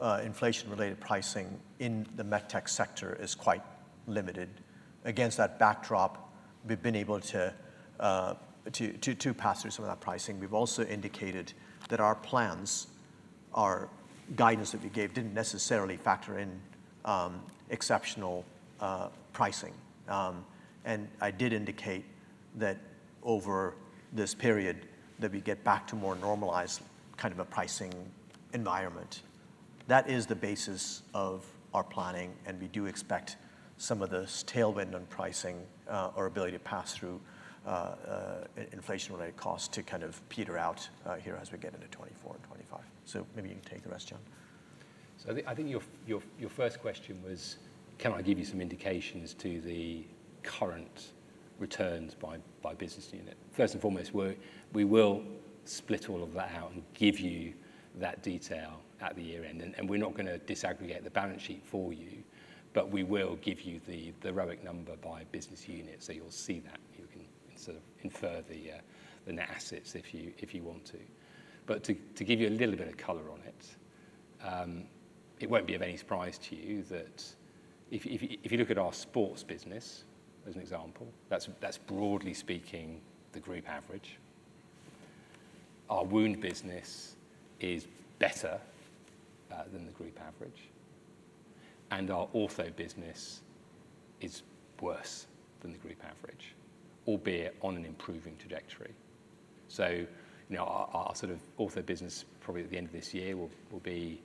inflation-related pricing in the med tech sector is quite limited. Against that backdrop, we've been able to pass through some of that pricing. We've also indicated that our plans, our guidance that we gave, didn't necessarily factor in exceptional pricing. And I did indicate that over this period, that we get back to more normalized kind of a pricing environment. That is the basis of our planning, and we do expect some of this tailwind on pricing or ability to pass through inflation-related costs to kind of peter out here as we get into 2024 and 2025. So maybe you can take the rest, John.... So I think your first question was, can I give you some indications to the current returns by business unit? First and foremost, we will split all of that out and give you that detail at the year-end. And we're not going to disaggregate the balance sheet for you, but we will give you the ROIC number by business unit, so you'll see that. You can sort of infer the net assets if you, if you want to. But to give you a little bit of color on it, it won't be of any surprise to you that if you look at our sports business as an example, that's broadly speaking, the group average. Our wound business is better than the group average, and our ortho business is worse than the group average, albeit on an improving trajectory. So, you know, our sort of ortho business, probably at the end of this year, will be,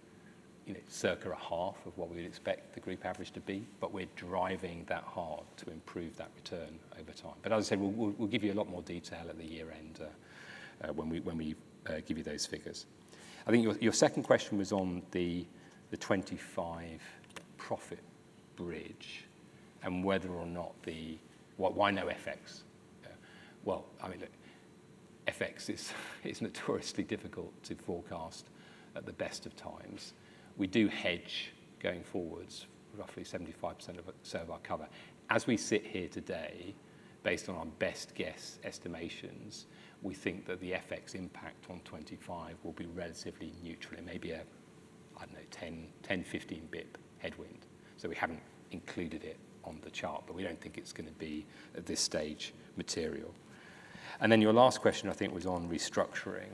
you know, circa a half of what we'd expect the group average to be, but we're driving that hard to improve that return over time. But as I said, we'll give you a lot more detail at the year-end, when we give you those figures. I think your second question was on the 25 profit bridge and whether or not the... Why no FX? Well, I mean, look, FX is notoriously difficult to forecast at the best of times. We do hedge going forwards, roughly 75% of it, so of our cover. As we sit here today, based on our best guess estimations, we think that the FX impact on 2025 will be relatively neutral and maybe a, I don't know, 10-15 basis points headwind. So we haven't included it on the chart, but we don't think it's going to be, at this stage, material. And then your last question, I think, was on restructuring.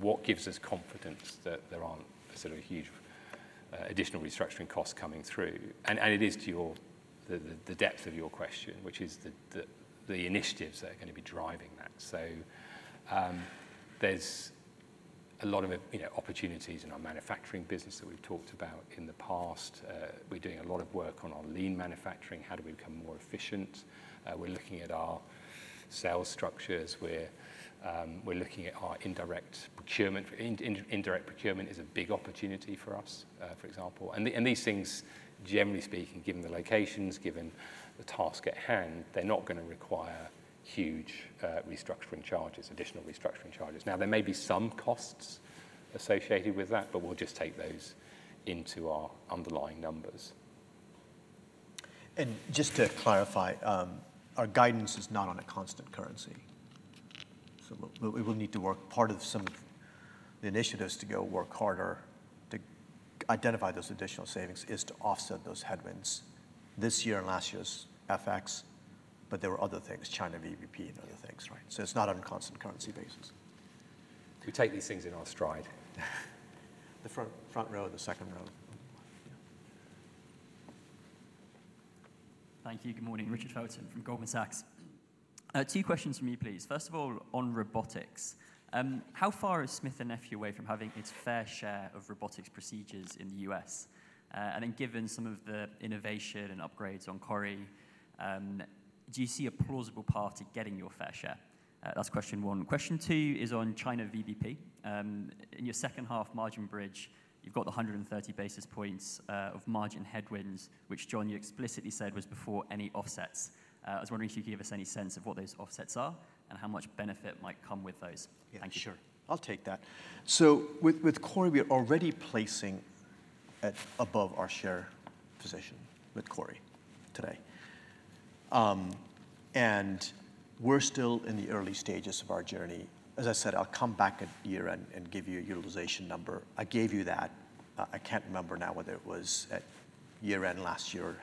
What gives us confidence that there aren't sort of huge additional restructuring costs coming through? And it is to the depth of your question, which is the initiatives that are going to be driving that. So there's a lot of, you know, opportunities in our manufacturing business that we've talked about in the past. We're doing a lot of work on our lean manufacturing. How do we become more efficient? We're looking at our sales structures. We're looking at our indirect procurement. Indirect procurement is a big opportunity for us, for example. And these things, generally speaking, given the locations, given the task at hand, they're not going to require huge restructuring charges, additional restructuring charges. Now, there may be some costs associated with that, but we'll just take those into our underlying numbers. Just to clarify, our guidance is not on a constant currency. So we'll, we will need to work part of some of the initiatives to go work harder to identify those additional savings is to offset those headwinds. This year and last year's FX, but there were other things, China VBP and other things, right? So it's not on a constant currency basis. We take these things in our stride. The front, front row, the second row. Yeah. Thank you. Good morning, Richard Felton from Goldman Sachs. Two questions from me, please. First of all, on robotics, how far is Smith+Nephew away from having its fair share of robotics procedures in the U.S.? And then, given some of the innovation and upgrades on CORI, do you see a plausible path to getting your fair share? That's question one. Question two is on China VBP. In your second half margin bridge, you've got the 130 basis points of margin headwinds, which, John, you explicitly said was before any offsets. I was wondering if you could give us any sense of what those offsets are and how much benefit might come with those. Thank you. Sure, I'll take that. So with, with CORI, we are already placing at above our share position with CORI today. And we're still in the early stages of our journey. As I said, I'll come back at year-end and give you a utilization number. I gave you that, I can't remember now whether it was at year-end last year or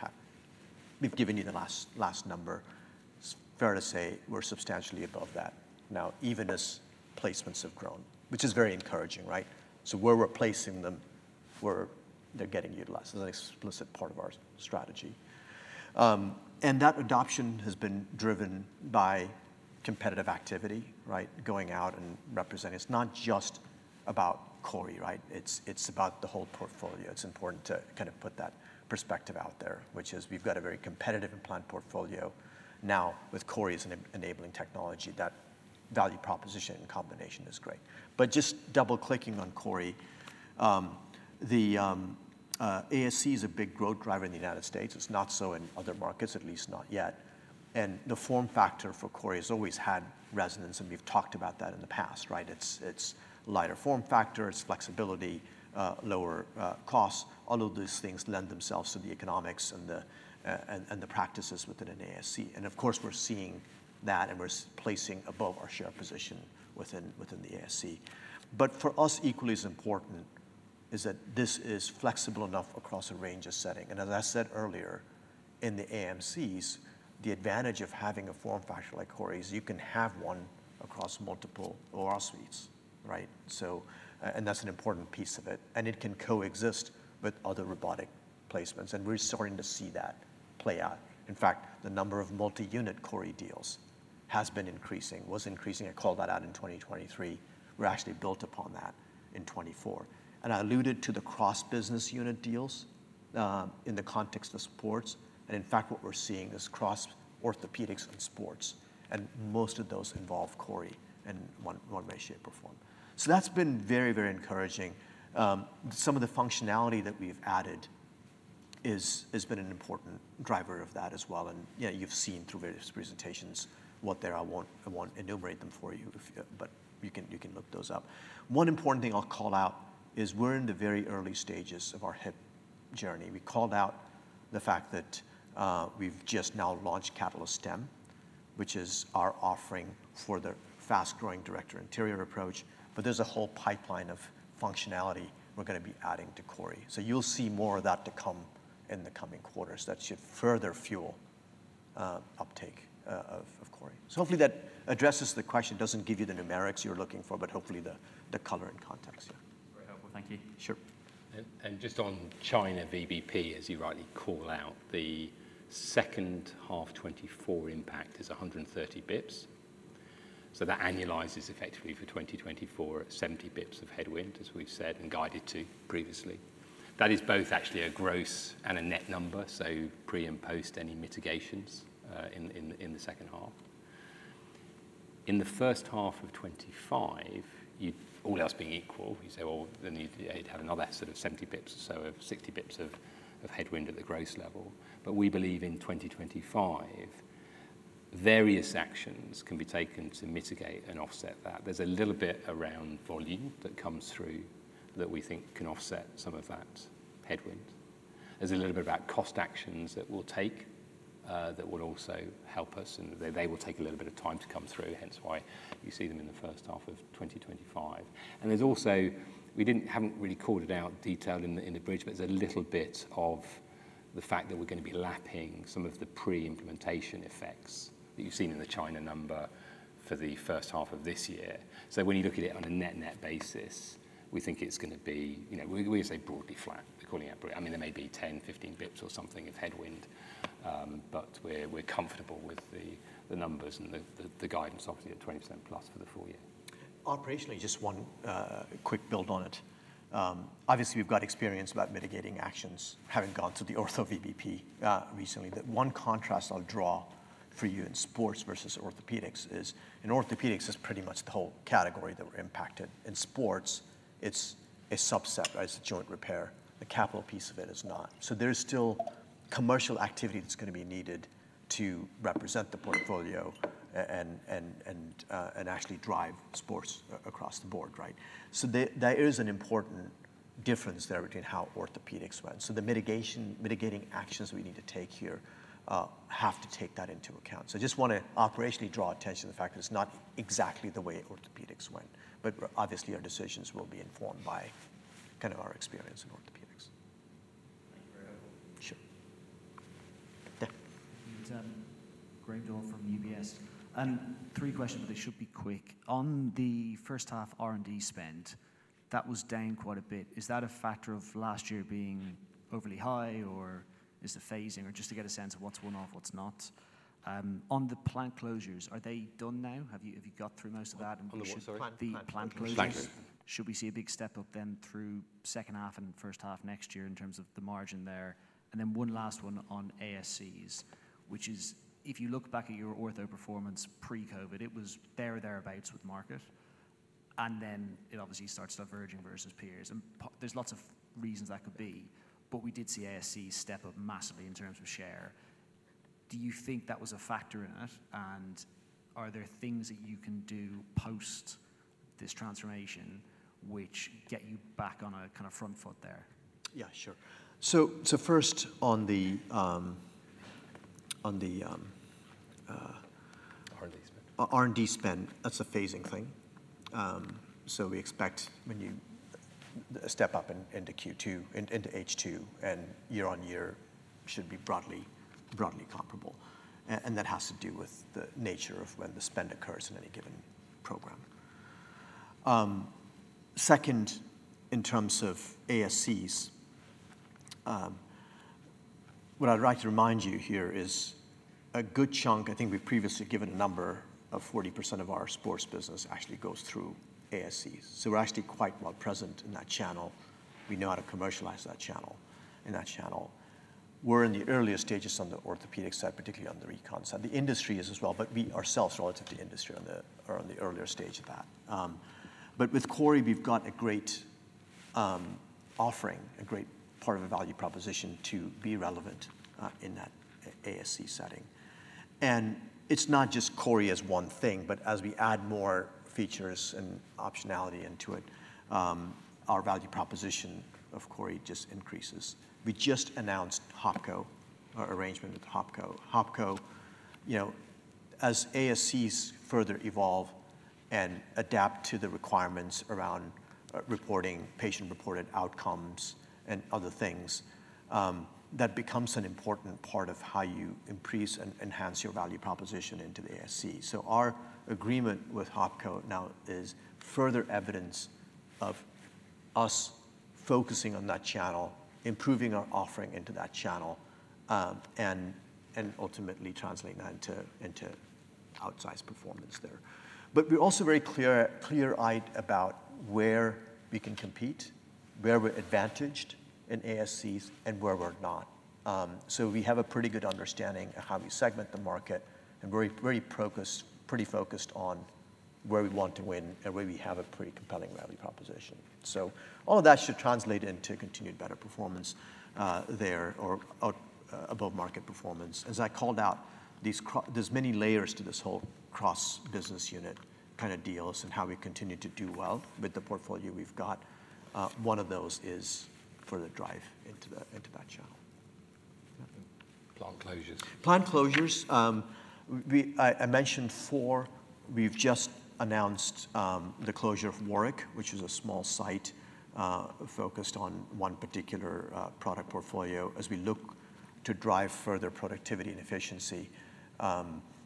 we've given you the last, last number. It's fair to say we're substantially above that now, even as placements have grown, which is very encouraging, right? So we're replacing them where they're getting utilized. That's an explicit part of our strategy. And that adoption has been driven by competitive activity, right? Going out and representing. It's not just about CORI, right? It's, it's about the whole portfolio. It's important to kind of put that perspective out there, which is we've got a very competitive implant portfolio now with CORI as an enabling technology. That value proposition and combination is great. But just double-clicking on CORI, the ASC is a big growth driver in the United States. It's not so in other markets, at least not yet. And the form factor for CORI has always had resonance, and we've talked about that in the past, right? It's lighter form factor, it's flexibility, lower costs. All of these things lend themselves to the economics and the practices within an ASC. And of course, we're seeing that, and we're placing above our share position within the ASC. But for us, equally as important, is that this is flexible enough across a range of settings. As I said earlier, in the AMCs, the advantage of having a form factor like CORI is you can have one across multiple OR suites, right? So, and that's an important piece of it, and it can coexist with other robotic placements, and we're starting to see that play out. In fact, the number of multi-unit CORI deals has been increasing, was increasing. I called that out in 2023. We're actually built upon that in 2024. And I alluded to the cross-business unit deals in the context of sports, and in fact, what we're seeing is cross orthopedics and sports, and most of those involve CORI in one way, shape, or form. So that's been very, very encouraging. Some of the functionality that we've added is, has been an important driver of that as well, and, yeah, you've seen through various presentations what there are. I won't, I won't enumerate them for you if, but you can, you can look those up. One important thing I'll call out is we're in the very early stages of our hip journey. We called out the fact that, we've just now launched CATALYST Stem, which is our offering for the fast-growing direct anterior approach, but there's a whole pipeline of functionality we're gonna be adding to CORI. So you'll see more of that to come in the coming quarters. That should further fuel, uptake of, of CORI. So hopefully that addresses the question. Doesn't give you the numerics you're looking for, but hopefully the, the color and context, yeah. Very helpful. Thank you. Sure. Just on China VBP, as you rightly call out, the second half of 2024 impact is 130 basis points. So that annualizes effectively for 2024 at 70 basis points of headwind, as we've said and guided to previously. That is both actually a gross and a net number, so pre- and post- any mitigations in the second half. In the first half of 2025, all else being equal, you say, well, then you'd have another sort of 70 basis points or so, or 60 basis points of headwind at the gross level. But we believe in 2025, various actions can be taken to mitigate and offset that. There's a little bit around volume that comes through that we think can offset some of that headwind. There's a little bit about cost actions that we'll take, that will also help us, and they, they will take a little bit of time to come through, hence why you see them in the first half of 2025. There's also... We haven't really called it out in detail in the bridge, but there's a little bit of the fact that we're gonna be lapping some of the pre-implementation effects that you've seen in the China number for the first half of this year. So when you look at it on a net-net basis, we think it's gonna be, you know, we say broadly flat, calling it. I mean, there may be 10, 15 basis points or something of headwind, but we're comfortable with the numbers and the guidance obviously at 20%+ for the full year. Operationally, just one quick build on it. Obviously, we've got experience about mitigating actions, having gone through the ortho VBP recently. The one contrast I'll draw for you in sports versus orthopedics is, in orthopedics, it's pretty much the whole category that were impacted. In sports, it's a subset, right? It's Joint Repair. The capital piece of it is not. So there's still commercial activity that's gonna be needed to represent the portfolio and actually drive sports across the board, right? So there is an important difference there between how orthopedics went. So the mitigating actions we need to take here have to take that into account. I just wanna operationally draw attention to the fact that it's not exactly the way orthopedics went, but obviously, our decisions will be informed by kind of our experience in orthopedics. Thank you very much. Sure. Yeah. Graham Doyle from UBS. Three questions, but they should be quick. On the first half R&D spend, that was down quite a bit. Is that a factor of last year being overly high, or is the phasing? Or just to get a sense of what's one-off, what's not. On the plant closures, are they done now? Have you, have you got through most of that and- On the what, sorry? The plant closures. Plant closures. Should we see a big step up then through second half and first half next year in terms of the margin there? And then one last one on ASCs, which is, if you look back at your ortho performance pre-COVID, it was there or thereabouts with market, and then it obviously starts diverging versus peers. And there's lots of reasons that could be, but we did see ASC step up massively in terms of share. Do you think that was a factor in it, and are there things that you can do post this transformation, which get you back on a kind of front foot there? Yeah, sure. So first on the R&D spend... R&D spend, that's a phasing thing. So we expect a step up in Q2, into H2, and year-over-year should be broadly, broadly comparable. And that has to do with the nature of when the spend occurs in any given program. Second, in terms of ASCs, what I'd like to remind you here is a good chunk. I think we've previously given a number of 40% of our sports business actually goes through ASCs. So we're actually quite well present in that channel. We know how to commercialize that channel, in that channel. We're in the earlier stages on the orthopedics side, particularly on the recon side. The industry is as well, but we ourselves, relative to the industry, are on the earlier stage of that. But with CORI, we've got a great offering, a great part of a value proposition to be relevant in that ASC setting. And it's not just CORI as one thing, but as we add more features and optionality into it, our value proposition of CORI just increases. We just announced HOPCo, our arrangement with HOPCo. HOPCo, you know, as ASCs further evolve and adapt to the requirements around reporting, patient-reported outcomes and other things, that becomes an important part of how you increase and enhance your value proposition into the ASC. So our agreement with HOPCo now is further evidence of us focusing on that channel, improving our offering into that channel, and ultimately translating that into outsized performance there. But we're also very clear, clear-eyed about where we can compete, where we're advantaged in ASCs, and where we're not. So we have a pretty good understanding of how we segment the market and very, very focused, pretty focused on where we want to win and where we have a pretty compelling value proposition. So all of that should translate into continued better performance there or above market performance. As I called out, there's many layers to this whole cross-business unit kind of deals and how we continue to do well with the portfolio we've got. One of those is further drive into that channel. Plant closures. Plant closures. We mentioned four. We've just announced the closure of Warwick, which is a small site focused on one particular product portfolio. As we look to drive further productivity and efficiency,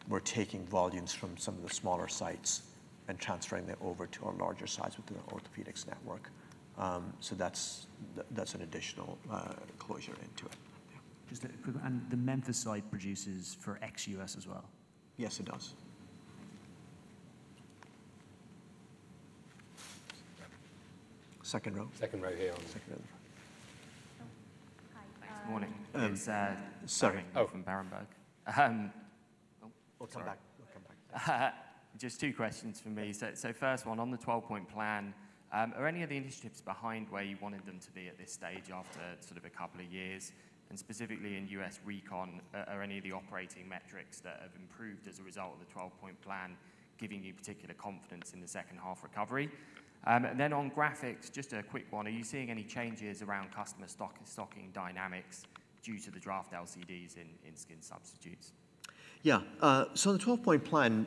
we're taking volumes from some of the smaller sites and transferring them over to our larger sites within the orthopedics network. So that's an additional closure into it. The Memphis site produces for ex-US as well? Yes, it does. Second row. Second row here on the- Second row. Hi. Um- Good morning. Um, sorry. From Berenberg. We'll come back. We'll come back. Just two questions from me. So first one, on the 12-point plan, are any of the initiatives behind where you wanted them to be at this stage after sort of a couple of years? And specifically in U.S. Recon, are any of the operating metrics that have improved as a result of the 12-point plan giving you particular confidence in the second half recovery? And then on Grafix, just a quick one: Are you seeing any changes around customer stock stocking dynamics due to the draft LCDs in skin substitutes? Yeah. So the 12-point plan,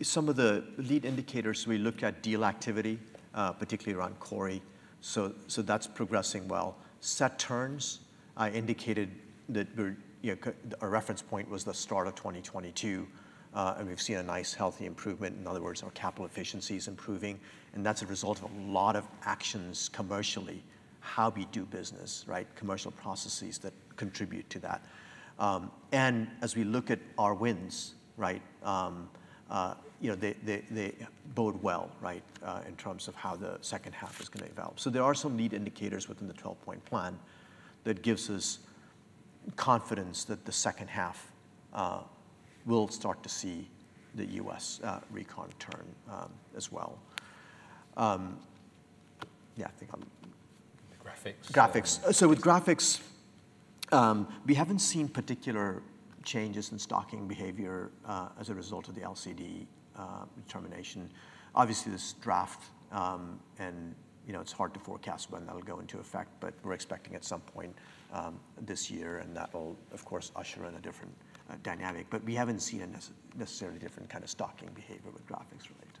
some of the lead indicators, we look at deal activity, particularly around CORI. So, so that's progressing well. Set turns, I indicated that we're, you know, our reference point was the start of 2022, and we've seen a nice, healthy improvement. In other words, our capital efficiency is improving, and that's a result of a lot of actions commercially. How we do business, right? Commercial processes that contribute to that. And as we look at our wins, right, you know, they bode well, right, in terms of how the second half is gonna develop. So there are some lead indicators within the 12-point plan that gives us confidence that the second half, we'll start to see the US, Recon turn, as well. Yeah, I think I'm- The Grafix. Grafix. So with Grafix, we haven't seen particular changes in stocking behavior, as a result of the LCD determination. Obviously, this is draft, and, you know, it's hard to forecast when that'll go into effect, but we're expecting at some point, this year, and that will, of course, usher in a different, dynamic. But we haven't seen a necessarily different kind of stocking behavior with Grafix related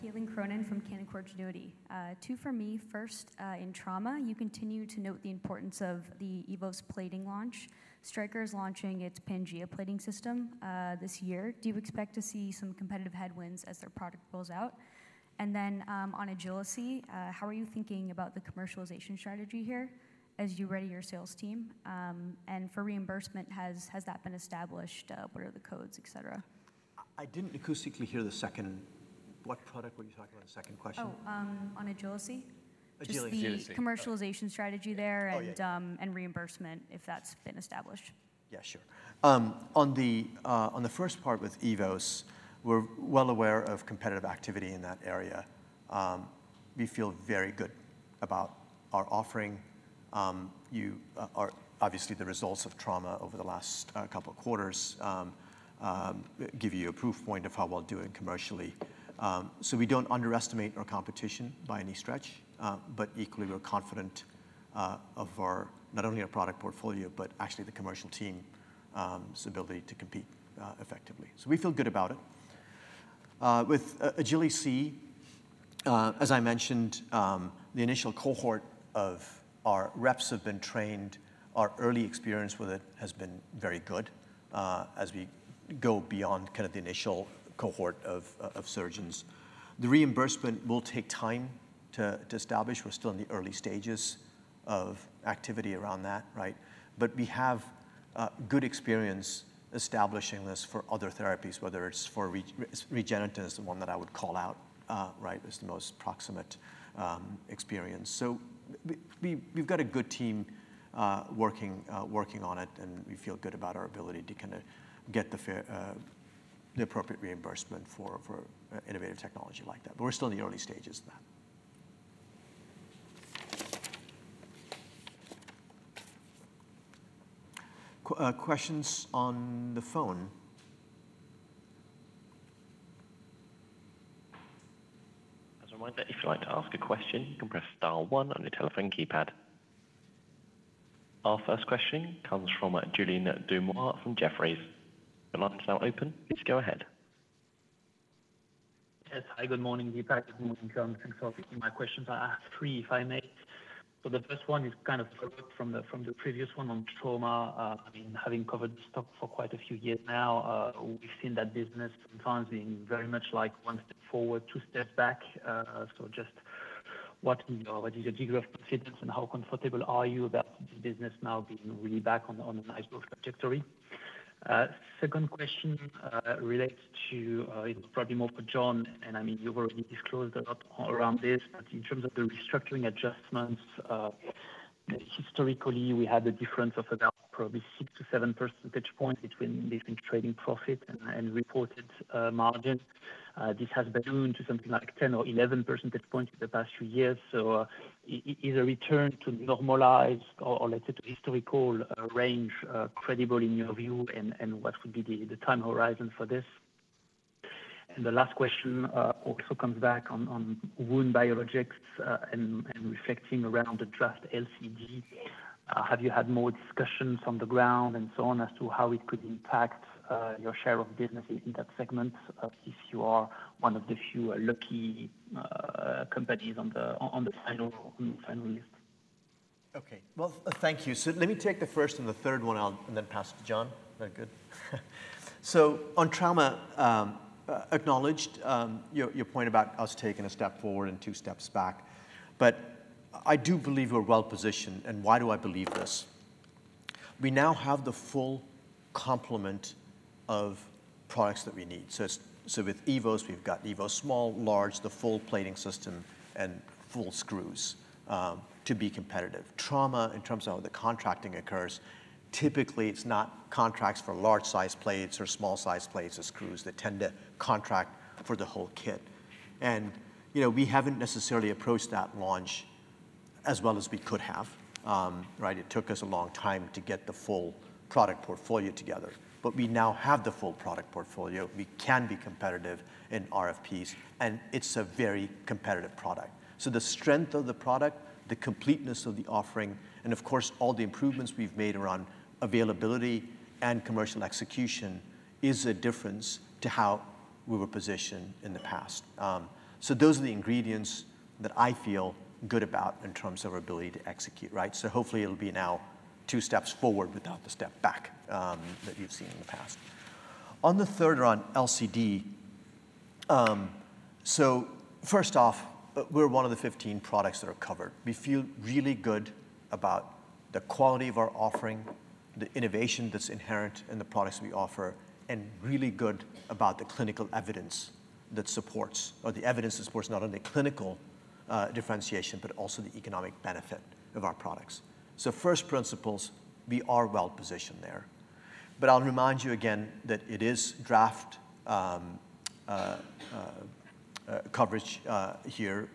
to that. Hi, Caitlin Cronin from Canaccord Genuity. Two for me. First, in trauma, you continue to note the importance of the Evos plating launch. Stryker is launching its Pangea plating system, this year. Do you expect to see some competitive headwinds as their product rolls out? And then, on Agili-C, how are you thinking about the commercialization strategy here as you ready your sales team? And for reimbursement, has that been established, what are the codes, et cetera? I didn't actually hear the second... What product were you talking about in the second question? Oh, on Agili-C. Agili-C. Agili-C. Just the commercialization strategy there- Oh, yeah... and, and reimbursement, if that's been established. Yeah, sure. On the first part with EVOS, we're well aware of competitive activity in that area. We feel very good about our offering. You are obviously the results of trauma over the last couple of quarters give you a proof point of how well doing commercially. So we don't underestimate our competition by any stretch, but equally, we're confident of our, not only our product portfolio, but actually the commercial team's ability to compete effectively. So we feel good about it. With Agili-C, as I mentioned, the initial cohort of our reps have been trained. Our early experience with it has been very good, as we go beyond kind of the initial cohort of surgeons. The reimbursement will take time to establish. We're still in the early stages of activity around that, right? But we have a good experience establishing this for other therapies, whether it's for REGENETEN, the one that I would call out, right, as the most proximate experience. So we've got a good team working on it, and we feel good about our ability to kinda get the fair, the appropriate reimbursement for innovative technology like that. But we're still in the early stages of that. Questions on the phone? As a reminder, if you'd like to ask a question, you can press dial one on your telephone keypad. Our first question comes from Julien Dormeuil from Jefferies. Your line is now open. Please go ahead. Yes, hi, good morning to you. Good morning, everyone. Thanks for taking my questions. I have three, if I may. So the first one is kind of from the previous one on trauma. I mean, having covered stock for quite a few years now, we've seen that business sometimes being very much like one step forward, two steps back. So just what, you know, what is your degree of confidence, and how comfortable are you about the business now being really back on a nice growth trajectory? Second question relates to probably more for John, and I mean, you've already disclosed a lot around this, but in terms of the restructuring adjustments, historically, we had a difference of about probably 6-7 percentage points between trading profit and reported margins. This has ballooned to something like 10 or 11 percentage points in the past few years. So, is a return to normalized or, let's say, to historical range credible in your view, and what would be the time horizon for this? And the last question also comes back on wound biologics and reflecting around the draft LCD. Have you had more discussions on the ground and so on as to how it could impact your share of businesses in that segment, if you are one of the few lucky companies on the final list? Okay. Well, thank you. So let me take the first and the third one, I'll and then pass to John. Is that good? So on trauma, acknowledged, your, your point about us taking a step forward and two steps back. But I do believe we're well positioned. And why do I believe this? We now have the full complement of products that we need. So, so with EVOS, we've got EVOS small, large, the full plating system and full screws, to be competitive. Trauma, in terms of how the contracting occurs, typically, it's not contracts for large-sized plates or small-sized plates or screws that tend to contract for the whole kit. And, you know, we haven't necessarily approached that launch as well as we could have. Right? It took us a long time to get the full product portfolio together, but we now have the full product portfolio. We can be competitive in RFPs, and it's a very competitive product. So the strength of the product, the completeness of the offering, and of course, all the improvements we've made around availability and commercial execution, is a difference to how we were positioned in the past. So those are the ingredients that I feel good about in terms of our ability to execute, right? So hopefully it'll be now two steps forward without the step back, that you've seen in the past. On the third, on LCD, so first off, we're one of the 15 products that are covered. We feel really good about the quality of our offering, the innovation that's inherent in the products we offer, and really good about the clinical evidence that supports—or the evidence that supports not only clinical differentiation, but also the economic benefit of our products. So first principles, we are well positioned there. But I'll remind you again that it is draft coverage here.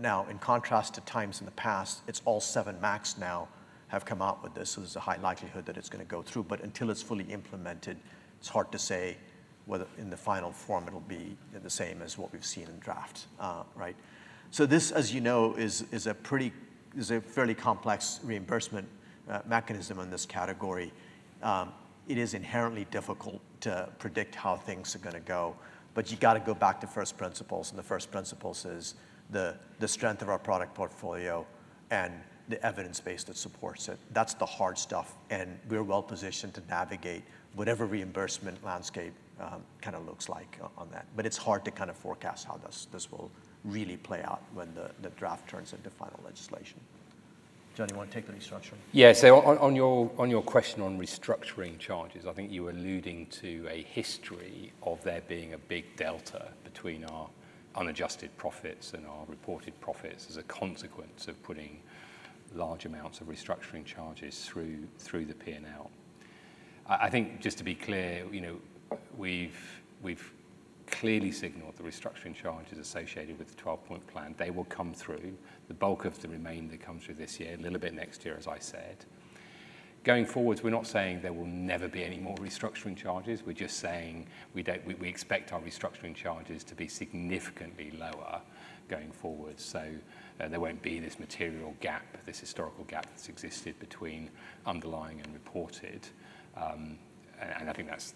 Now, in contrast to times in the past, it's all seven MACs now have come out with this, so there's a high likelihood that it's going to go through, but until it's fully implemented, it's hard to say whether in the final form it'll be the same as what we've seen in draft. Right? So this, as you know, is a fairly complex reimbursement mechanism in this category. It is inherently difficult to predict how things are gonna go, but you got to go back to first principles, and the first principles is the strength of our product portfolio and the evidence base that supports it. That's the hard stuff, and we're well positioned to navigate whatever reimbursement landscape kind of looks like on that. But it's hard to kind of forecast how this will really play out when the draft turns into final legislation. John, you want to take the restructuring? Yeah. So on your question on restructuring charges, I think you were alluding to a history of there being a big delta between our unadjusted profits and our reported profits as a consequence of putting large amounts of restructuring charges through the P&L. I think, just to be clear, you know, we've clearly signaled the restructuring charges associated with the 12-point plan. They will come through. The bulk of the remainder, they come through this year, a little bit next year, as I said. Going forward, we're not saying there will never be any more restructuring charges. We're just saying we don't—we expect our restructuring charges to be significantly lower going forward, so there won't be this material gap, this historical gap that's existed between underlying and reported. And I think that's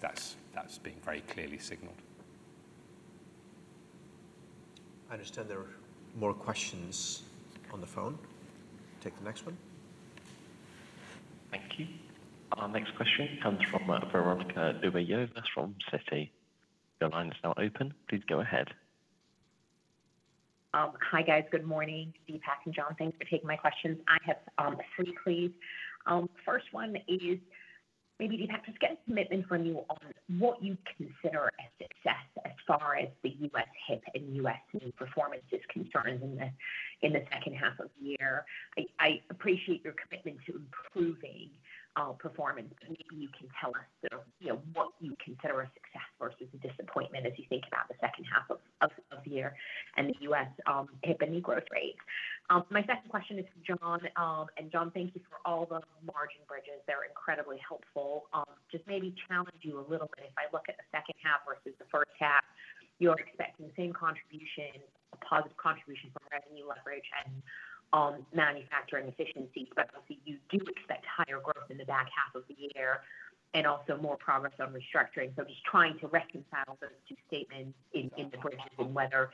being very clearly signaled. I understand there are more questions on the phone. Take the next one. Thank you. Our next question comes from Veronika Dubajova from Citi. Your line is now open. Please go ahead. Hi, guys. Good morning, Deepak and John, thanks for taking my questions. I have three, please. First one is maybe, Deepak, just get a commitment from you on what you consider a success as far as the US hip and US knee performance is concerned in the second half of the year. I appreciate your commitment to improving performance. Maybe you can tell us, you know, what you consider a success versus a disappointment as you think about the second half of the year and the US hip and knee growth rates. My second question is for John. John, thank you for all the margin bridges, they're incredibly helpful. Just maybe challenge you a little bit. If I look at the second half versus the first half, you're expecting the same contribution, a positive contribution from revenue leverage and manufacturing efficiency. But obviously you do expect higher growth in the back half of the year and also more progress on restructuring. So just trying to reconcile those two statements in the bridges and whether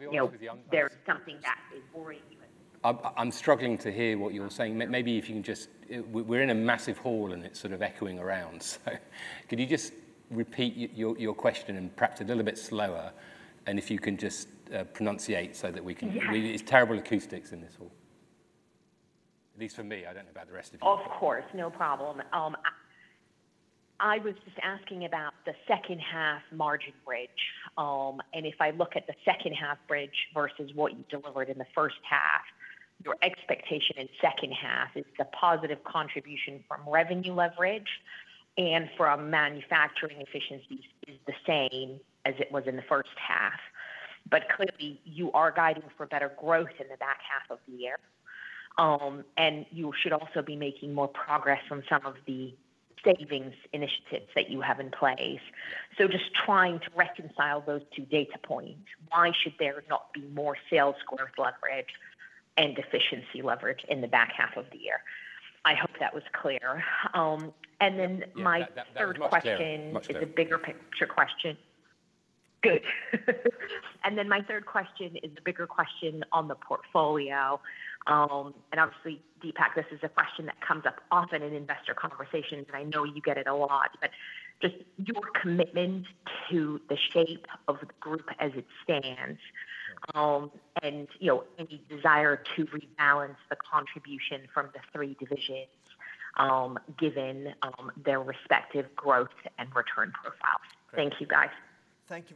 you know, there's something that is worrying you? I'm struggling to hear what you're saying. Maybe if you can just-- We're in a massive hall, and it's sort of echoing around. So could you just repeat your question, and perhaps a little bit slower, and if you can just enunciate so that we can- Yeah. It's terrible acoustics in this hall. At least for me, I don't know about the rest of you. Of course, no problem. I was just asking about the second half margin bridge. And if I look at the second half bridge versus what you delivered in the first half, your expectation in second half is the positive contribution from revenue leverage and from manufacturing efficiencies is the same as it was in the first half. But clearly, you are guiding for better growth in the back half of the year. And you should also be making more progress on some of the savings initiatives that you have in place. So just trying to reconcile those two data points, why should there not be more sales square leverage and efficiency leverage in the back half of the year? I hope that was clear. And then my third question- Yeah, that, that was much clearer. Much clearer. It's a bigger picture question. Good. And then my third question is the bigger question on the portfolio. And obviously, Deepak, this is a question that comes up often in investor conversations, and I know you get it a lot, but just your commitment to the shape of the group as it stands. Yeah. You know, any desire to rebalance the contribution from the three divisions, given their respective growth and return profiles? Great. Thank you, guys. Thank you,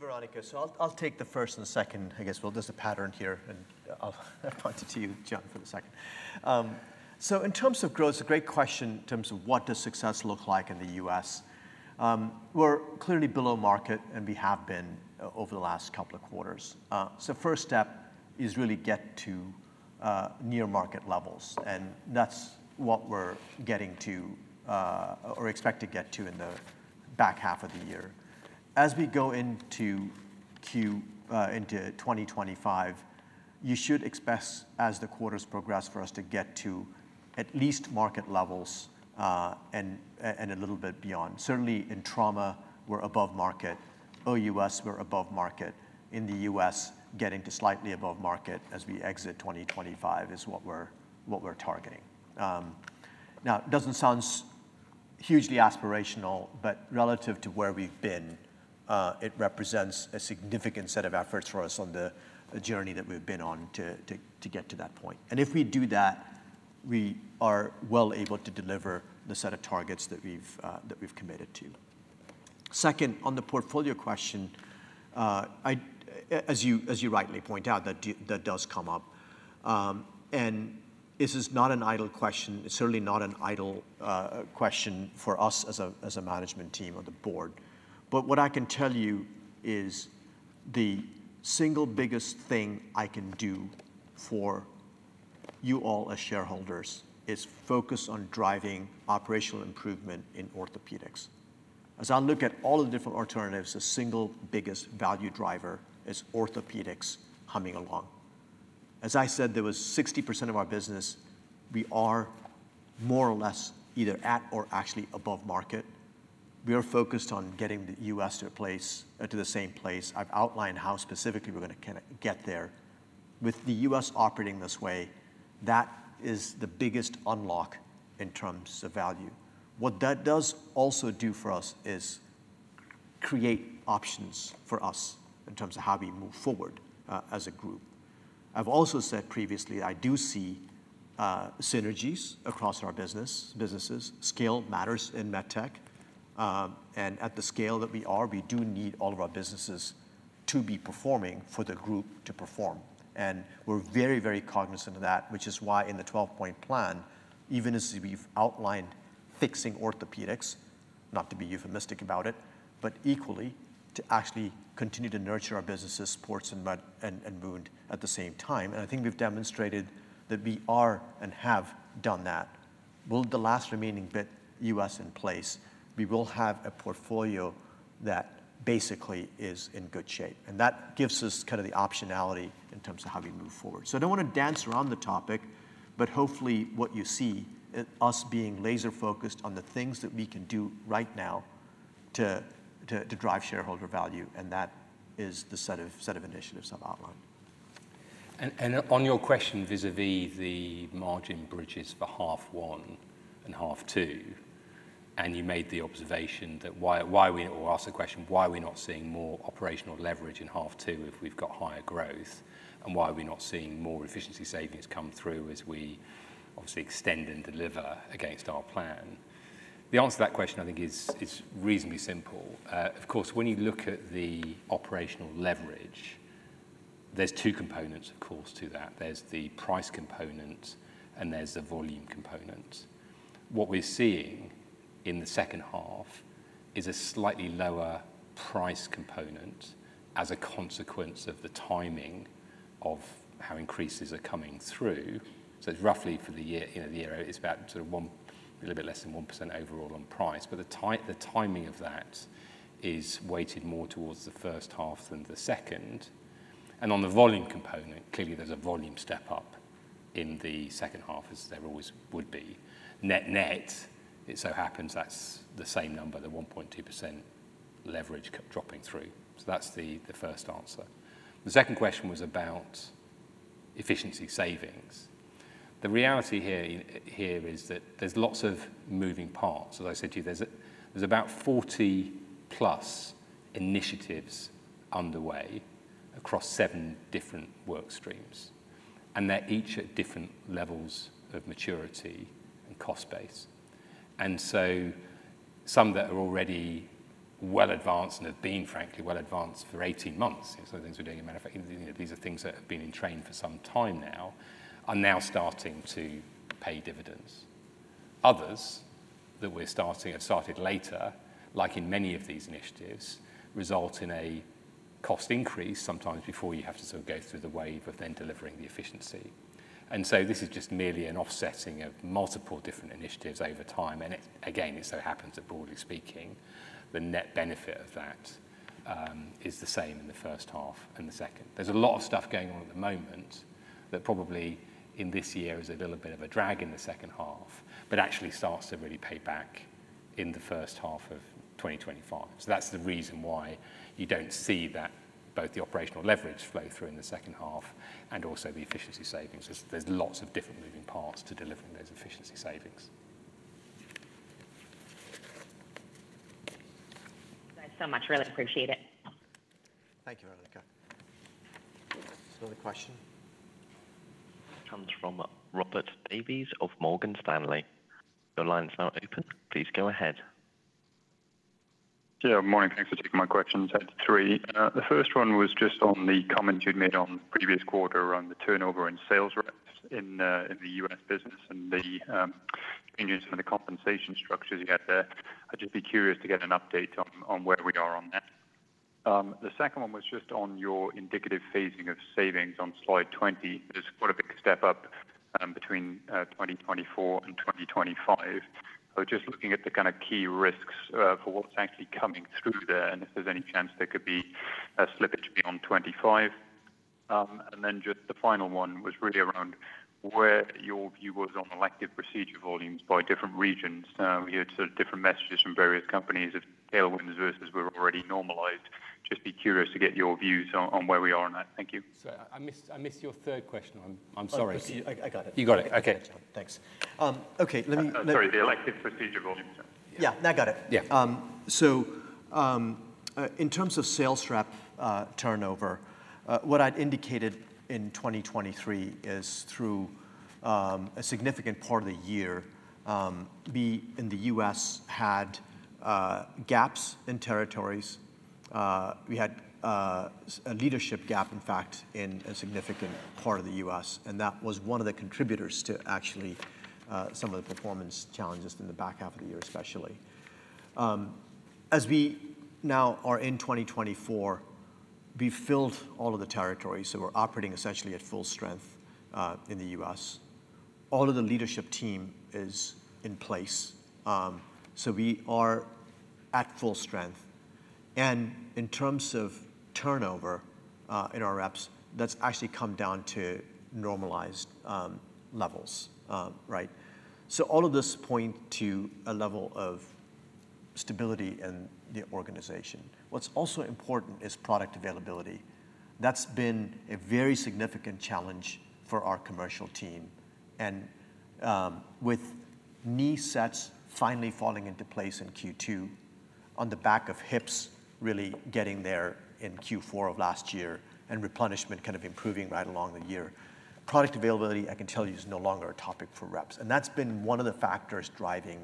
Veronika. So I'll take the first and the second. I guess we'll just set a pattern here, and I'll point it to you, John, for the second. So in terms of growth, it's a great question in terms of what does success look like in the U.S.? We're clearly below market, and we have been over the last couple of quarters. So first step is really get to near market levels, and that's what we're getting to or expect to get to in the back half of the year. As we go into Q into 2025, you should expect as the quarters progress for us to get to at least market levels, and a little bit beyond. Certainly, in trauma, we're above market. OUS, we're above market. In the US, getting to slightly above market as we exit 2025 is what we're, what we're targeting. Now, it doesn't sound hugely aspirational, but relative to where we've been, it represents a significant set of efforts for us on the, the journey that we've been on to, to, to get to that point. And if we do that, we are well able to deliver the set of targets that we've committed to. Second, on the portfolio question, I, as you rightly point out, that does come up. And this is not an idle question. It's certainly not an idle question for us as a, as a management team or the board. But what I can tell you is the single biggest thing I can do for you all as shareholders is focus on driving operational improvement in orthopedics. As I look at all the different alternatives, the single biggest value driver is orthopedics humming along. As I said, there was 60% of our business, we are more or less either at or actually above market. We are focused on getting the U.S. to a place, to the same place. I've outlined how specifically we're gonna get there. With the U.S. operating this way, that is the biggest unlock in terms of value. What that does also do for us is create options for us in terms of how we move forward, as a group. I've also said previously, I do see, synergies across our business, businesses. Scale matters in med tech, and at the scale that we are, we do need all of our businesses to be performing for the group to perform, and we're very, very cognizant of that, which is why in the twelve-point plan, even as we've outlined fixing orthopedics, not to be euphemistic about it, but equally to actually continue to nurture our businesses, sports and med, and wound at the same time. I think we've demonstrated that we are and have done that. With the last remaining bit US in place, we will have a portfolio that basically is in good shape, and that gives us kind of the optionality in terms of how we move forward. So I don't want to dance around the topic, but hopefully what you see, us being laser focused on the things that we can do right now to drive shareholder value, and that is the set of initiatives I've outlined. On your question, vis-à-vis the margin bridges for half one and half two, and you made the observation or asked the question: Why are we not seeing more operational leverage in half two if we've got higher growth? And why are we not seeing more efficiency savings come through as we obviously extend and deliver against our plan? The answer to that question, I think, is reasonably simple. Of course, when you look at the operational leverage, there's two components, of course, to that. There's the price component, and there's the volume component. What we're seeing in the second half is a slightly lower price component as a consequence of the timing of how increases are coming through. So roughly for the year, you know, the year is about sort of 1, a little bit less than 1% overall on price, but the timing of that is weighted more towards the first half than the second. And on the volume component, clearly there's a volume step up in the second half, as there always would be. Net, net, it so happens that's the same number, the 1.2% leverage kept dropping through. So that's the first answer. The second question was about efficiency savings. The reality here is that there's lots of moving parts. As I said to you, there's about 40+ initiatives underway across seven different work streams, and they're each at different levels of maturity and cost base. And so some that are already well advanced and have been frankly well advanced for 18 months, so these are things we're doing. As a matter of fact, these are things that have been in train for some time now, are now starting to pay dividends. Others that we're starting, have started later, like in many of these initiatives, result in a cost increase sometimes before you have to sort of go through the wave of then delivering the efficiency. And so this is just merely an offsetting of multiple different initiatives over time, and it, again, it so happens that, broadly speaking, the net benefit of that is the same in the first half and the second. There's a lot of stuff going on at the moment that probably in this year is a little bit of a drag in the second half, but actually starts to really pay back in the first half of 2025. That's the reason why you don't see that both the operational leverage flow through in the second half and also the efficiency savings, is there's lots of different moving parts to delivering those efficiency savings. Thanks so much. Really appreciate it. Thank you, Vernonika. Another question? Comes from Robert Davies of Morgan Stanley. Your line is now open. Please go ahead. Yeah, good morning. Thanks for taking my questions. I have three. The first one was just on the comment you'd made on the previous quarter around the turnover in sales reps in the U.S. business and the changes in the compensation structures you had there. I'd just be curious to get an update on where we are on that. The second one was just on your indicative phasing of savings on slide 20. There's quite a big step up between 2024 and 2025. So just looking at the kind of key risks for what's actually coming through there, and if there's any chance there could be a slippage beyond 25. And then just the final one was really around where your view was on elective procedure volumes by different regions. We heard sort of different messages from various companies if tailwinds versus were already normalized. Just be curious to get your views on, on where we are on that. Thank you. I missed your third question. I'm sorry. I got it. You got it. Okay. Thanks. Okay, let me- Sorry, the elective procedure volumes. Yeah, I got it. Yeah. So, in terms of sales rep turnover, what I'd indicated in 2023 is through a significant part of the year, we in the U.S. had gaps in territories. We had a leadership gap, in fact, in a significant part of the U.S., and that was one of the contributors to actually some of the performance challenges in the back half of the year, especially. As we now are in 2024, we've filled all of the territories, so we're operating essentially at full strength in the U.S. All of the leadership team is in place. So we are at full strength. And in terms of turnover in our reps, that's actually come down to normalized levels. Right? So all of this point to a level of stability in the organization. What's also important is product availability. That's been a very significant challenge for our commercial team, and with knee sets finally falling into place in Q2, on the back of hips really getting there in Q4 of last year, and replenishment kind of improving right along the year. Product availability, I can tell you, is no longer a topic for reps, and that's been one of the factors driving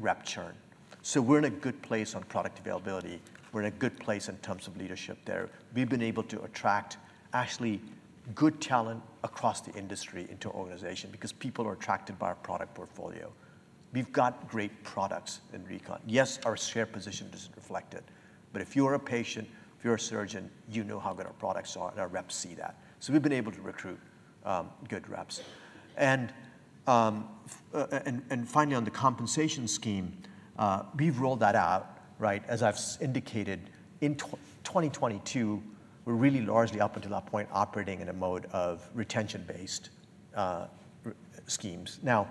rep churn. So we're in a good place on product availability. We're in a good place in terms of leadership there. We've been able to attract actually good talent across the industry into our organization because people are attracted by our product portfolio. We've got great products in Recon. Yes, our share position doesn't reflect it, but if you're a patient, if you're a surgeon, you know how good our products are, and our reps see that. So we've been able to recruit good reps. Finally, on the compensation scheme, we've rolled that out, right? As I've indicated, in 2022, we're really largely up until that point, operating in a mode of retention-based schemes. Now,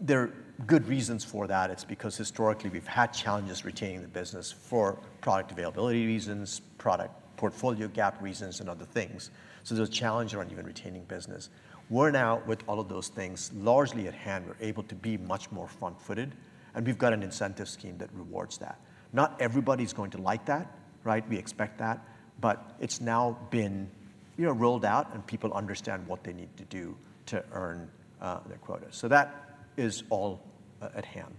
there are good reasons for that. It's because historically we've had challenges retaining the business for product availability reasons, product portfolio gap reasons, and other things. So there's a challenge around even retaining business. We're now with all of those things, largely at hand, we're able to be much more front-footed, and we've got an incentive scheme that rewards that. Not everybody's going to like that, right? We expect that, but it's now been, you know, rolled out and people understand what they need to do to earn their quota. So that is all at hand.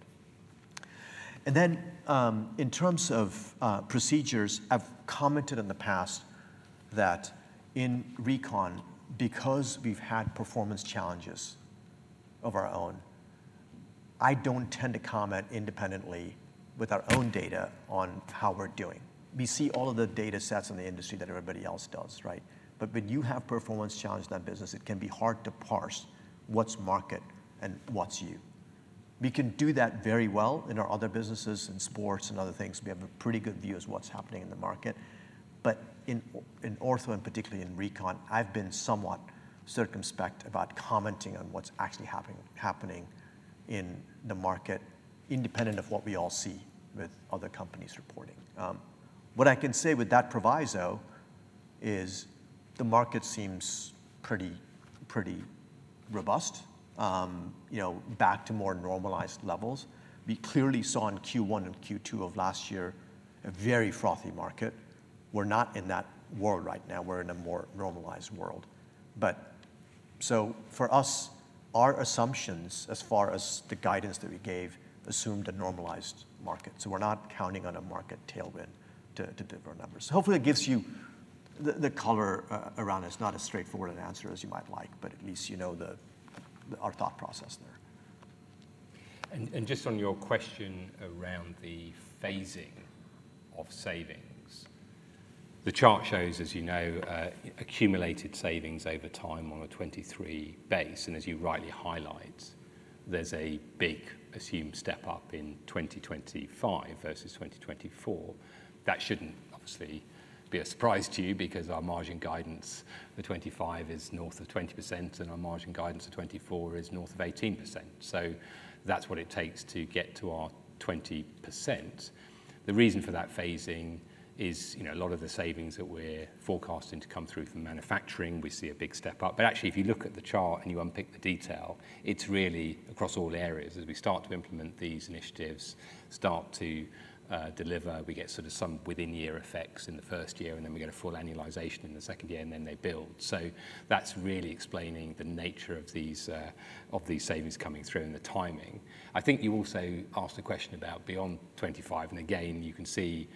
And then, in terms of procedures, I've commented in the past that in Recon, because we've had performance challenges of our own, I don't tend to comment independently with our own data on how we're doing. We see all of the datasets in the industry that everybody else does, right? But when you have performance challenge in that business, it can be hard to parse what's market and what's you. We can do that very well in our other businesses, in sports and other things. We have a pretty good view of what's happening in the market. But in ortho, and particularly in Recon, I've been somewhat circumspect about commenting on what's actually happening in the market, independent of what we all see with other companies reporting. What I can say with that proviso is the market seems pretty, pretty robust, you know, back to more normalized levels. We clearly saw in Q1 and Q2 of last year a very frothy market. We're not in that world right now, we're in a more normalized world. But so for us, our assumptions as far as the guidance that we gave, assumed a normalized market. So we're not counting on a market tailwind to, to give our numbers. Hopefully, it gives you the, the color around it. It's not as straightforward an answer as you might like, but at least you know the our thought process there. Just on your question around the phasing of savings. The chart shows, as you know, accumulated savings over time on a 2023 base, and as you rightly highlight, there's a big assumed step-up in 2025 versus 2024. That shouldn't obviously be a surprise to you because our margin guidance for 25 is north of 20%, and our margin guidance for 24 is north of 18%. So that's what it takes to get to our 20%. The reason for that phasing is, you know, a lot of the savings that we're forecasting to come through from manufacturing, we see a big step up. But actually, if you look at the chart and you unpick the detail, it's really across all areas. As we start to implement these initiatives, start to deliver, we get sort of some within-year effects in the first year, and then we get a full annualization in the second year, and then they build. So that's really explaining the nature of these of these savings coming through and the timing. I think you also asked a question about beyond 2025, and again, you can see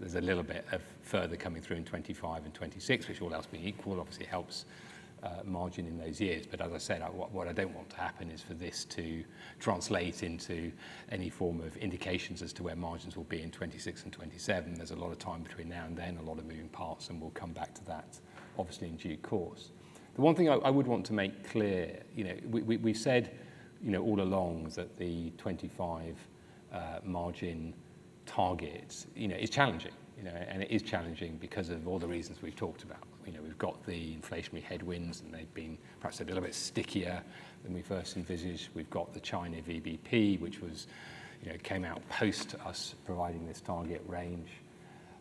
there's a little bit of further coming through in 2025 and 2026, which, all else being equal, obviously helps margin in those years. But as I said, what I don't want to happen is for this to translate into any form of indications as to where margins will be in 2026 and 2027. There's a lot of time between now and then, a lot of moving parts, and we'll come back to that obviously in due course. The one thing I would want to make clear, you know, we said, you know, all along that the 25, margin target, you know, is challenging, you know, and it is challenging because of all the reasons we've talked about. You know, we've got the inflationary headwinds, and they've been perhaps a little bit stickier than we first envisaged. We've got the China VBP, which was, you know, came out post us providing this target range.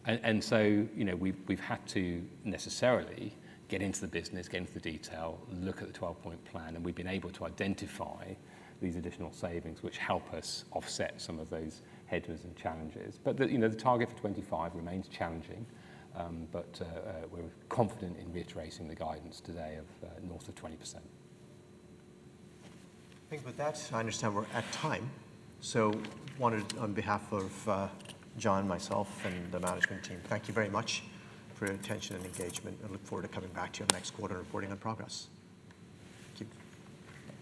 And so, you know, we've had to necessarily get into the business, get into the detail, look at the 12-point plan, and we've been able to identify these additional savings, which help us offset some of those headwinds and challenges. But the, you know, the target for 25 remains challenging, but we're confident in reiterating the guidance today of north of 20%. I think with that, I understand we're at time. So wanted on behalf of, John, myself, and the management team, thank you very much for your attention and engagement, and look forward to coming back to you next quarter, reporting on progress. Thank you. Bye.